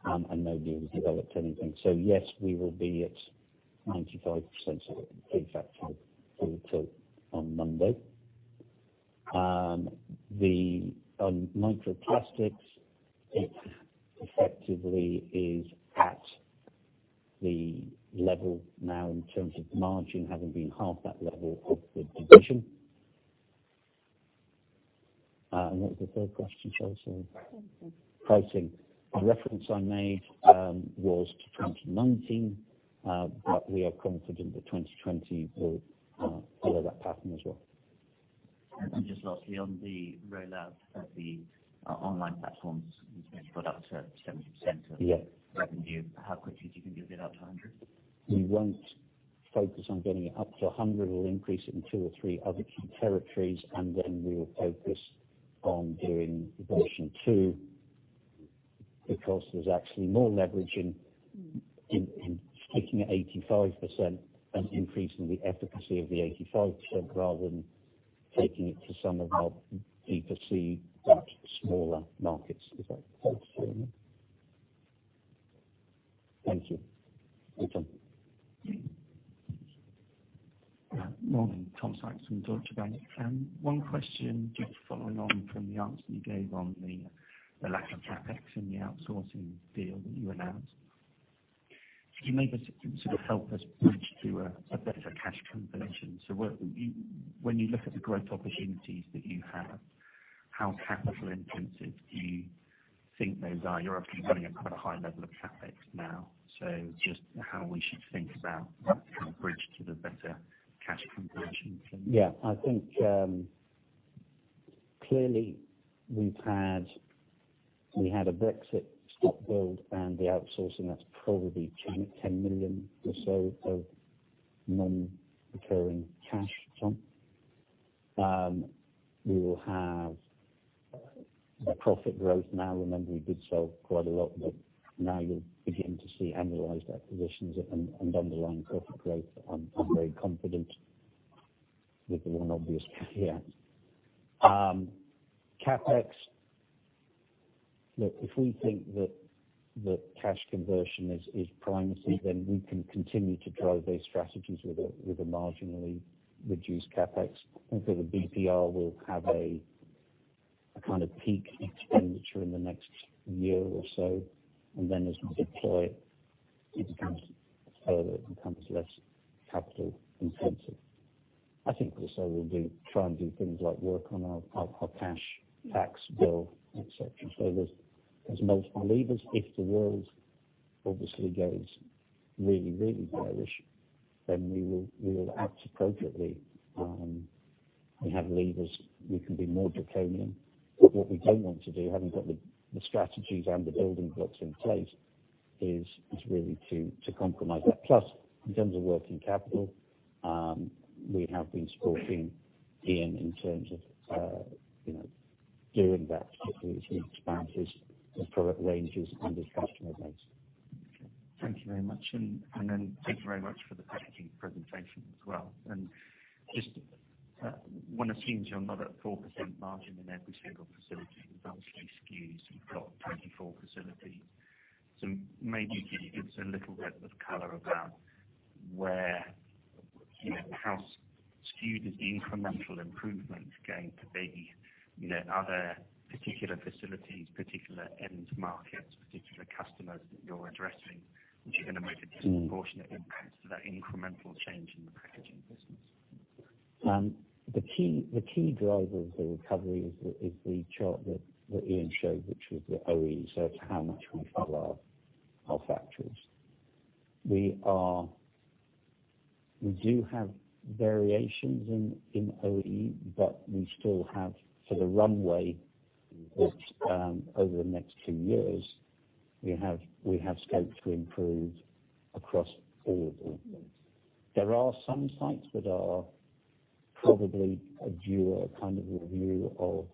and nobody has developed anything. Yes, we will be at 95% of it being back to full tilt on Monday. On Micro Plastics, it effectively is at the level now in terms of margin, having been half that level of the division. What was the third question, Charles, sorry? Pricing. Pricing. The reference I made was to 2019, but we are confident that 2020 will follow that pattern as well. Just lastly, on the roll out of the online platforms, you mentioned got up to 70%. Yeah -of revenue. How quickly do you think you'll get up to 100%? We won't focus on getting it up to 100%. Then we will increase it in two or three other key territories, and then we will focus on doing version 2, because there's actually more leverage in taking it 85% and increasing the efficacy of the 85%, rather than taking it to some of our deeper-tier, perhaps smaller markets. Does that answer your question? Thank you. Over to Tom. Morning, Tom Sykes from Deutsche Bank. One question just following on from the answer you gave on the lack of CapEx in the outsourcing deal that you announced. Could you maybe sort of help us bridge to a better cash conversion? When you look at the growth opportunities that you have, how capital-intensive do you think those are? You're obviously running at quite a high level of CapEx now, just how we should think about kind of bridge to the better cash conversion. I think clearly we had a Brexit stock build and the outsourcing, that's probably 10 million or so of non-recurring cash, Tom. We will have profit growth now. Remember we did sell quite a lot, but now you'll begin to see annualized acquisitions and underlying profit growth. I'm very confident with the one obvious caveat. CapEx. Look, if we think that cash conversion is primacy, then we can continue to drive those strategies with a marginally reduced CapEx. I think that the BPR will have a kind of peak expenditure in the next year or so, and then as we deploy, it becomes less capital intensive. I think also we'll try and do things like work on our cash tax bill, et cetera. There's multiple levers. If the world obviously goes really, really bearish, we will act appropriately. We have levers, we can be more draconian. What we don't want to do, having got the strategies and the building blocks in place, is really to compromise that. In terms of working capital, we have been supporting Iain in terms of doing that, particularly with expenses and product ranges and the customer base. Okay. Thank you very much. Thank you very much for the packaging presentation as well. Just one assumes you're not at 4% margin in every single facility. It obviously skews. You've got 24 facilities. Maybe give us a little bit of color about how skewed is the incremental improvement going to be? Are there particular facilities, particular end markets, particular customers that you're addressing, which are going to make a disproportionate impact to that incremental change in the packaging business? The key drive of the recovery is the chart that Iain showed, which was the OEE. It's how much we fill our factories. We do have variations in OEE, but we still have for the runway of over the next two years, we have scope to improve across all of the OEE. There are some sites that are probably due a kind of review of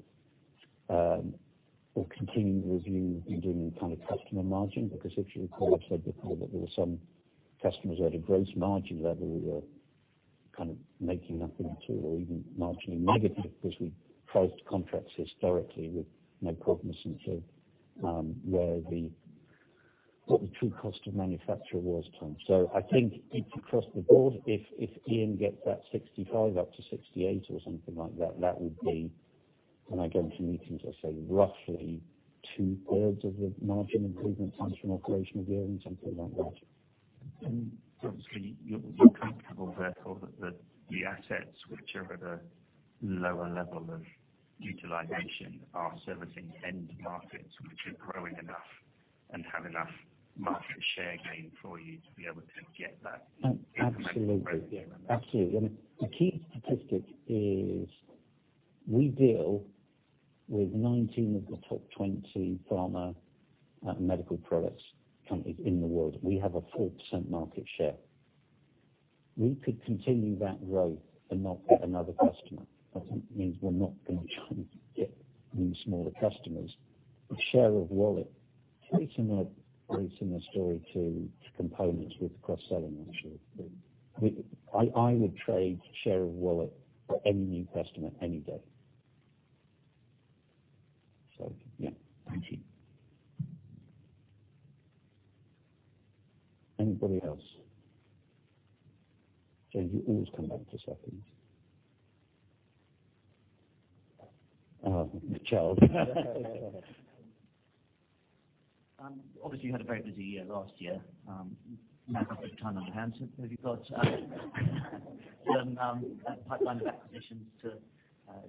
or continuing the review and doing kind of customer margin. If you recall, I said before that there were some customers at a gross margin level who are kind of making nothing or even marginally negative because we priced contracts historically with no cognizance of what the true cost of manufacture was, Tom. I think it's across the board. If Iain gets that 65 up to 68 or something like that would be, when I go into meetings, I say roughly two-thirds of the margin improvements comes from operational gearing, something like that. Obviously you're comfortable therefore that the assets which are at a lower level of utilization are servicing end markets which are growing enough and have enough market share gain for you to be able to get that incremental growth. Absolutely. Yeah, absolutely. I mean, the key statistic is we deal with 19 of the top 20 pharma and medical products companies in the world. We have a 4% market share. We could continue that growth and not get another customer. That doesn't mean we're not going to try and get any smaller customers. Share of wallet creates a similar story to components with cross-selling, actually. I would trade share of wallet for any new customer any day. Yeah. Thank you. Anybody else? James, you always come back for seconds. Oh, Michelle. Obviously, you had a very busy year last year. Now you have a bit of time on your hands, have you got some pipeline of acquisitions to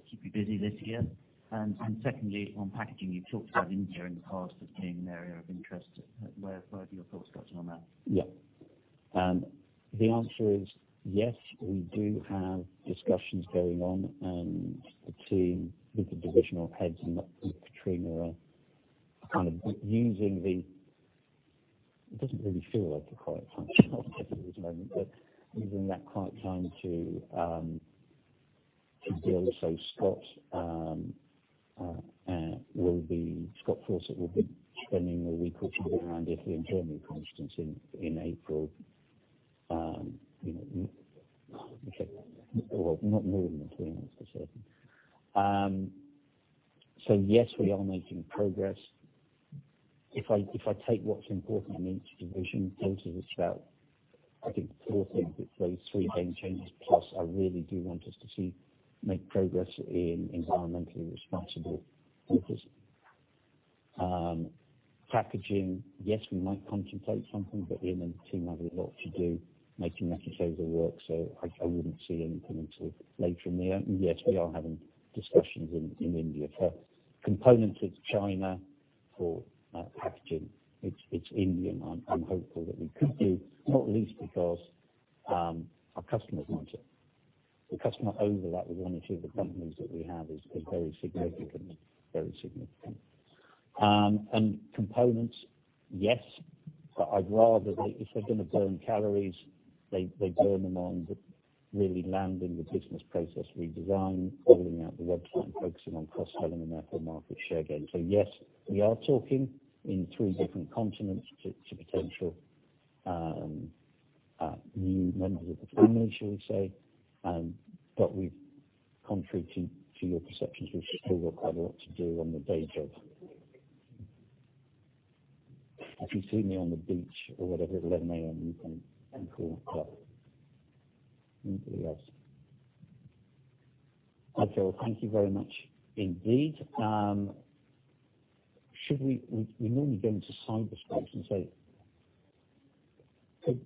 keep you busy this year? Secondly, on packaging, you talked about India in the past as being an area of interest, where have your thoughts gotten on that? The answer is yes, we do have discussions going on and the team with the divisional heads and Katrina are kind of using the. It doesn't really feel like quiet time at this moment, but using that quiet time to build. Scott Fawcett will be spending a week or two going around Italy and Germany, for instance, in April. Not more than a week, necessarily. Yes, we are making progress. If I take what's important on each division, total is about, I think four things, but those three main changes plus, I really do want us to make progress in environmentally responsible focus. Packaging, yes, we might contemplate something. Iain and the team have a lot to do making Mexico work. I wouldn't see anything until later in the year. Yes, we are having discussions in India. For components, it's China. For packaging, it's India, I'm hopeful that we could do, not least because our customers want it. The customer overlap with one or two of the companies that we have is very significant. Components, yes, but I'd rather that if they're going to burn calories, they burn them on really landing the business process redesign, building out the website, and focusing on cross-selling and therefore market share gain. Yes, we are talking in three different continents to potential new members of the family, shall we say. Contrary to your perceptions, we still have quite a lot to do on the day job. If you see me on the beach or whatever at 11:00 A.M., you can call. Anything else? Okay. Thank you very much. Indeed. We normally go into cyberspace and say, could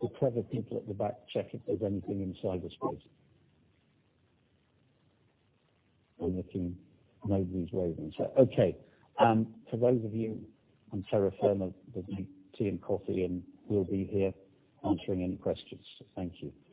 the clever people at the back check if there's anything in cyberspace? I'm looking. Nobody's waving. Okay. For those of you, I'm sure are firm, there'll be tea and coffee and we'll be here answering any questions. Thank you.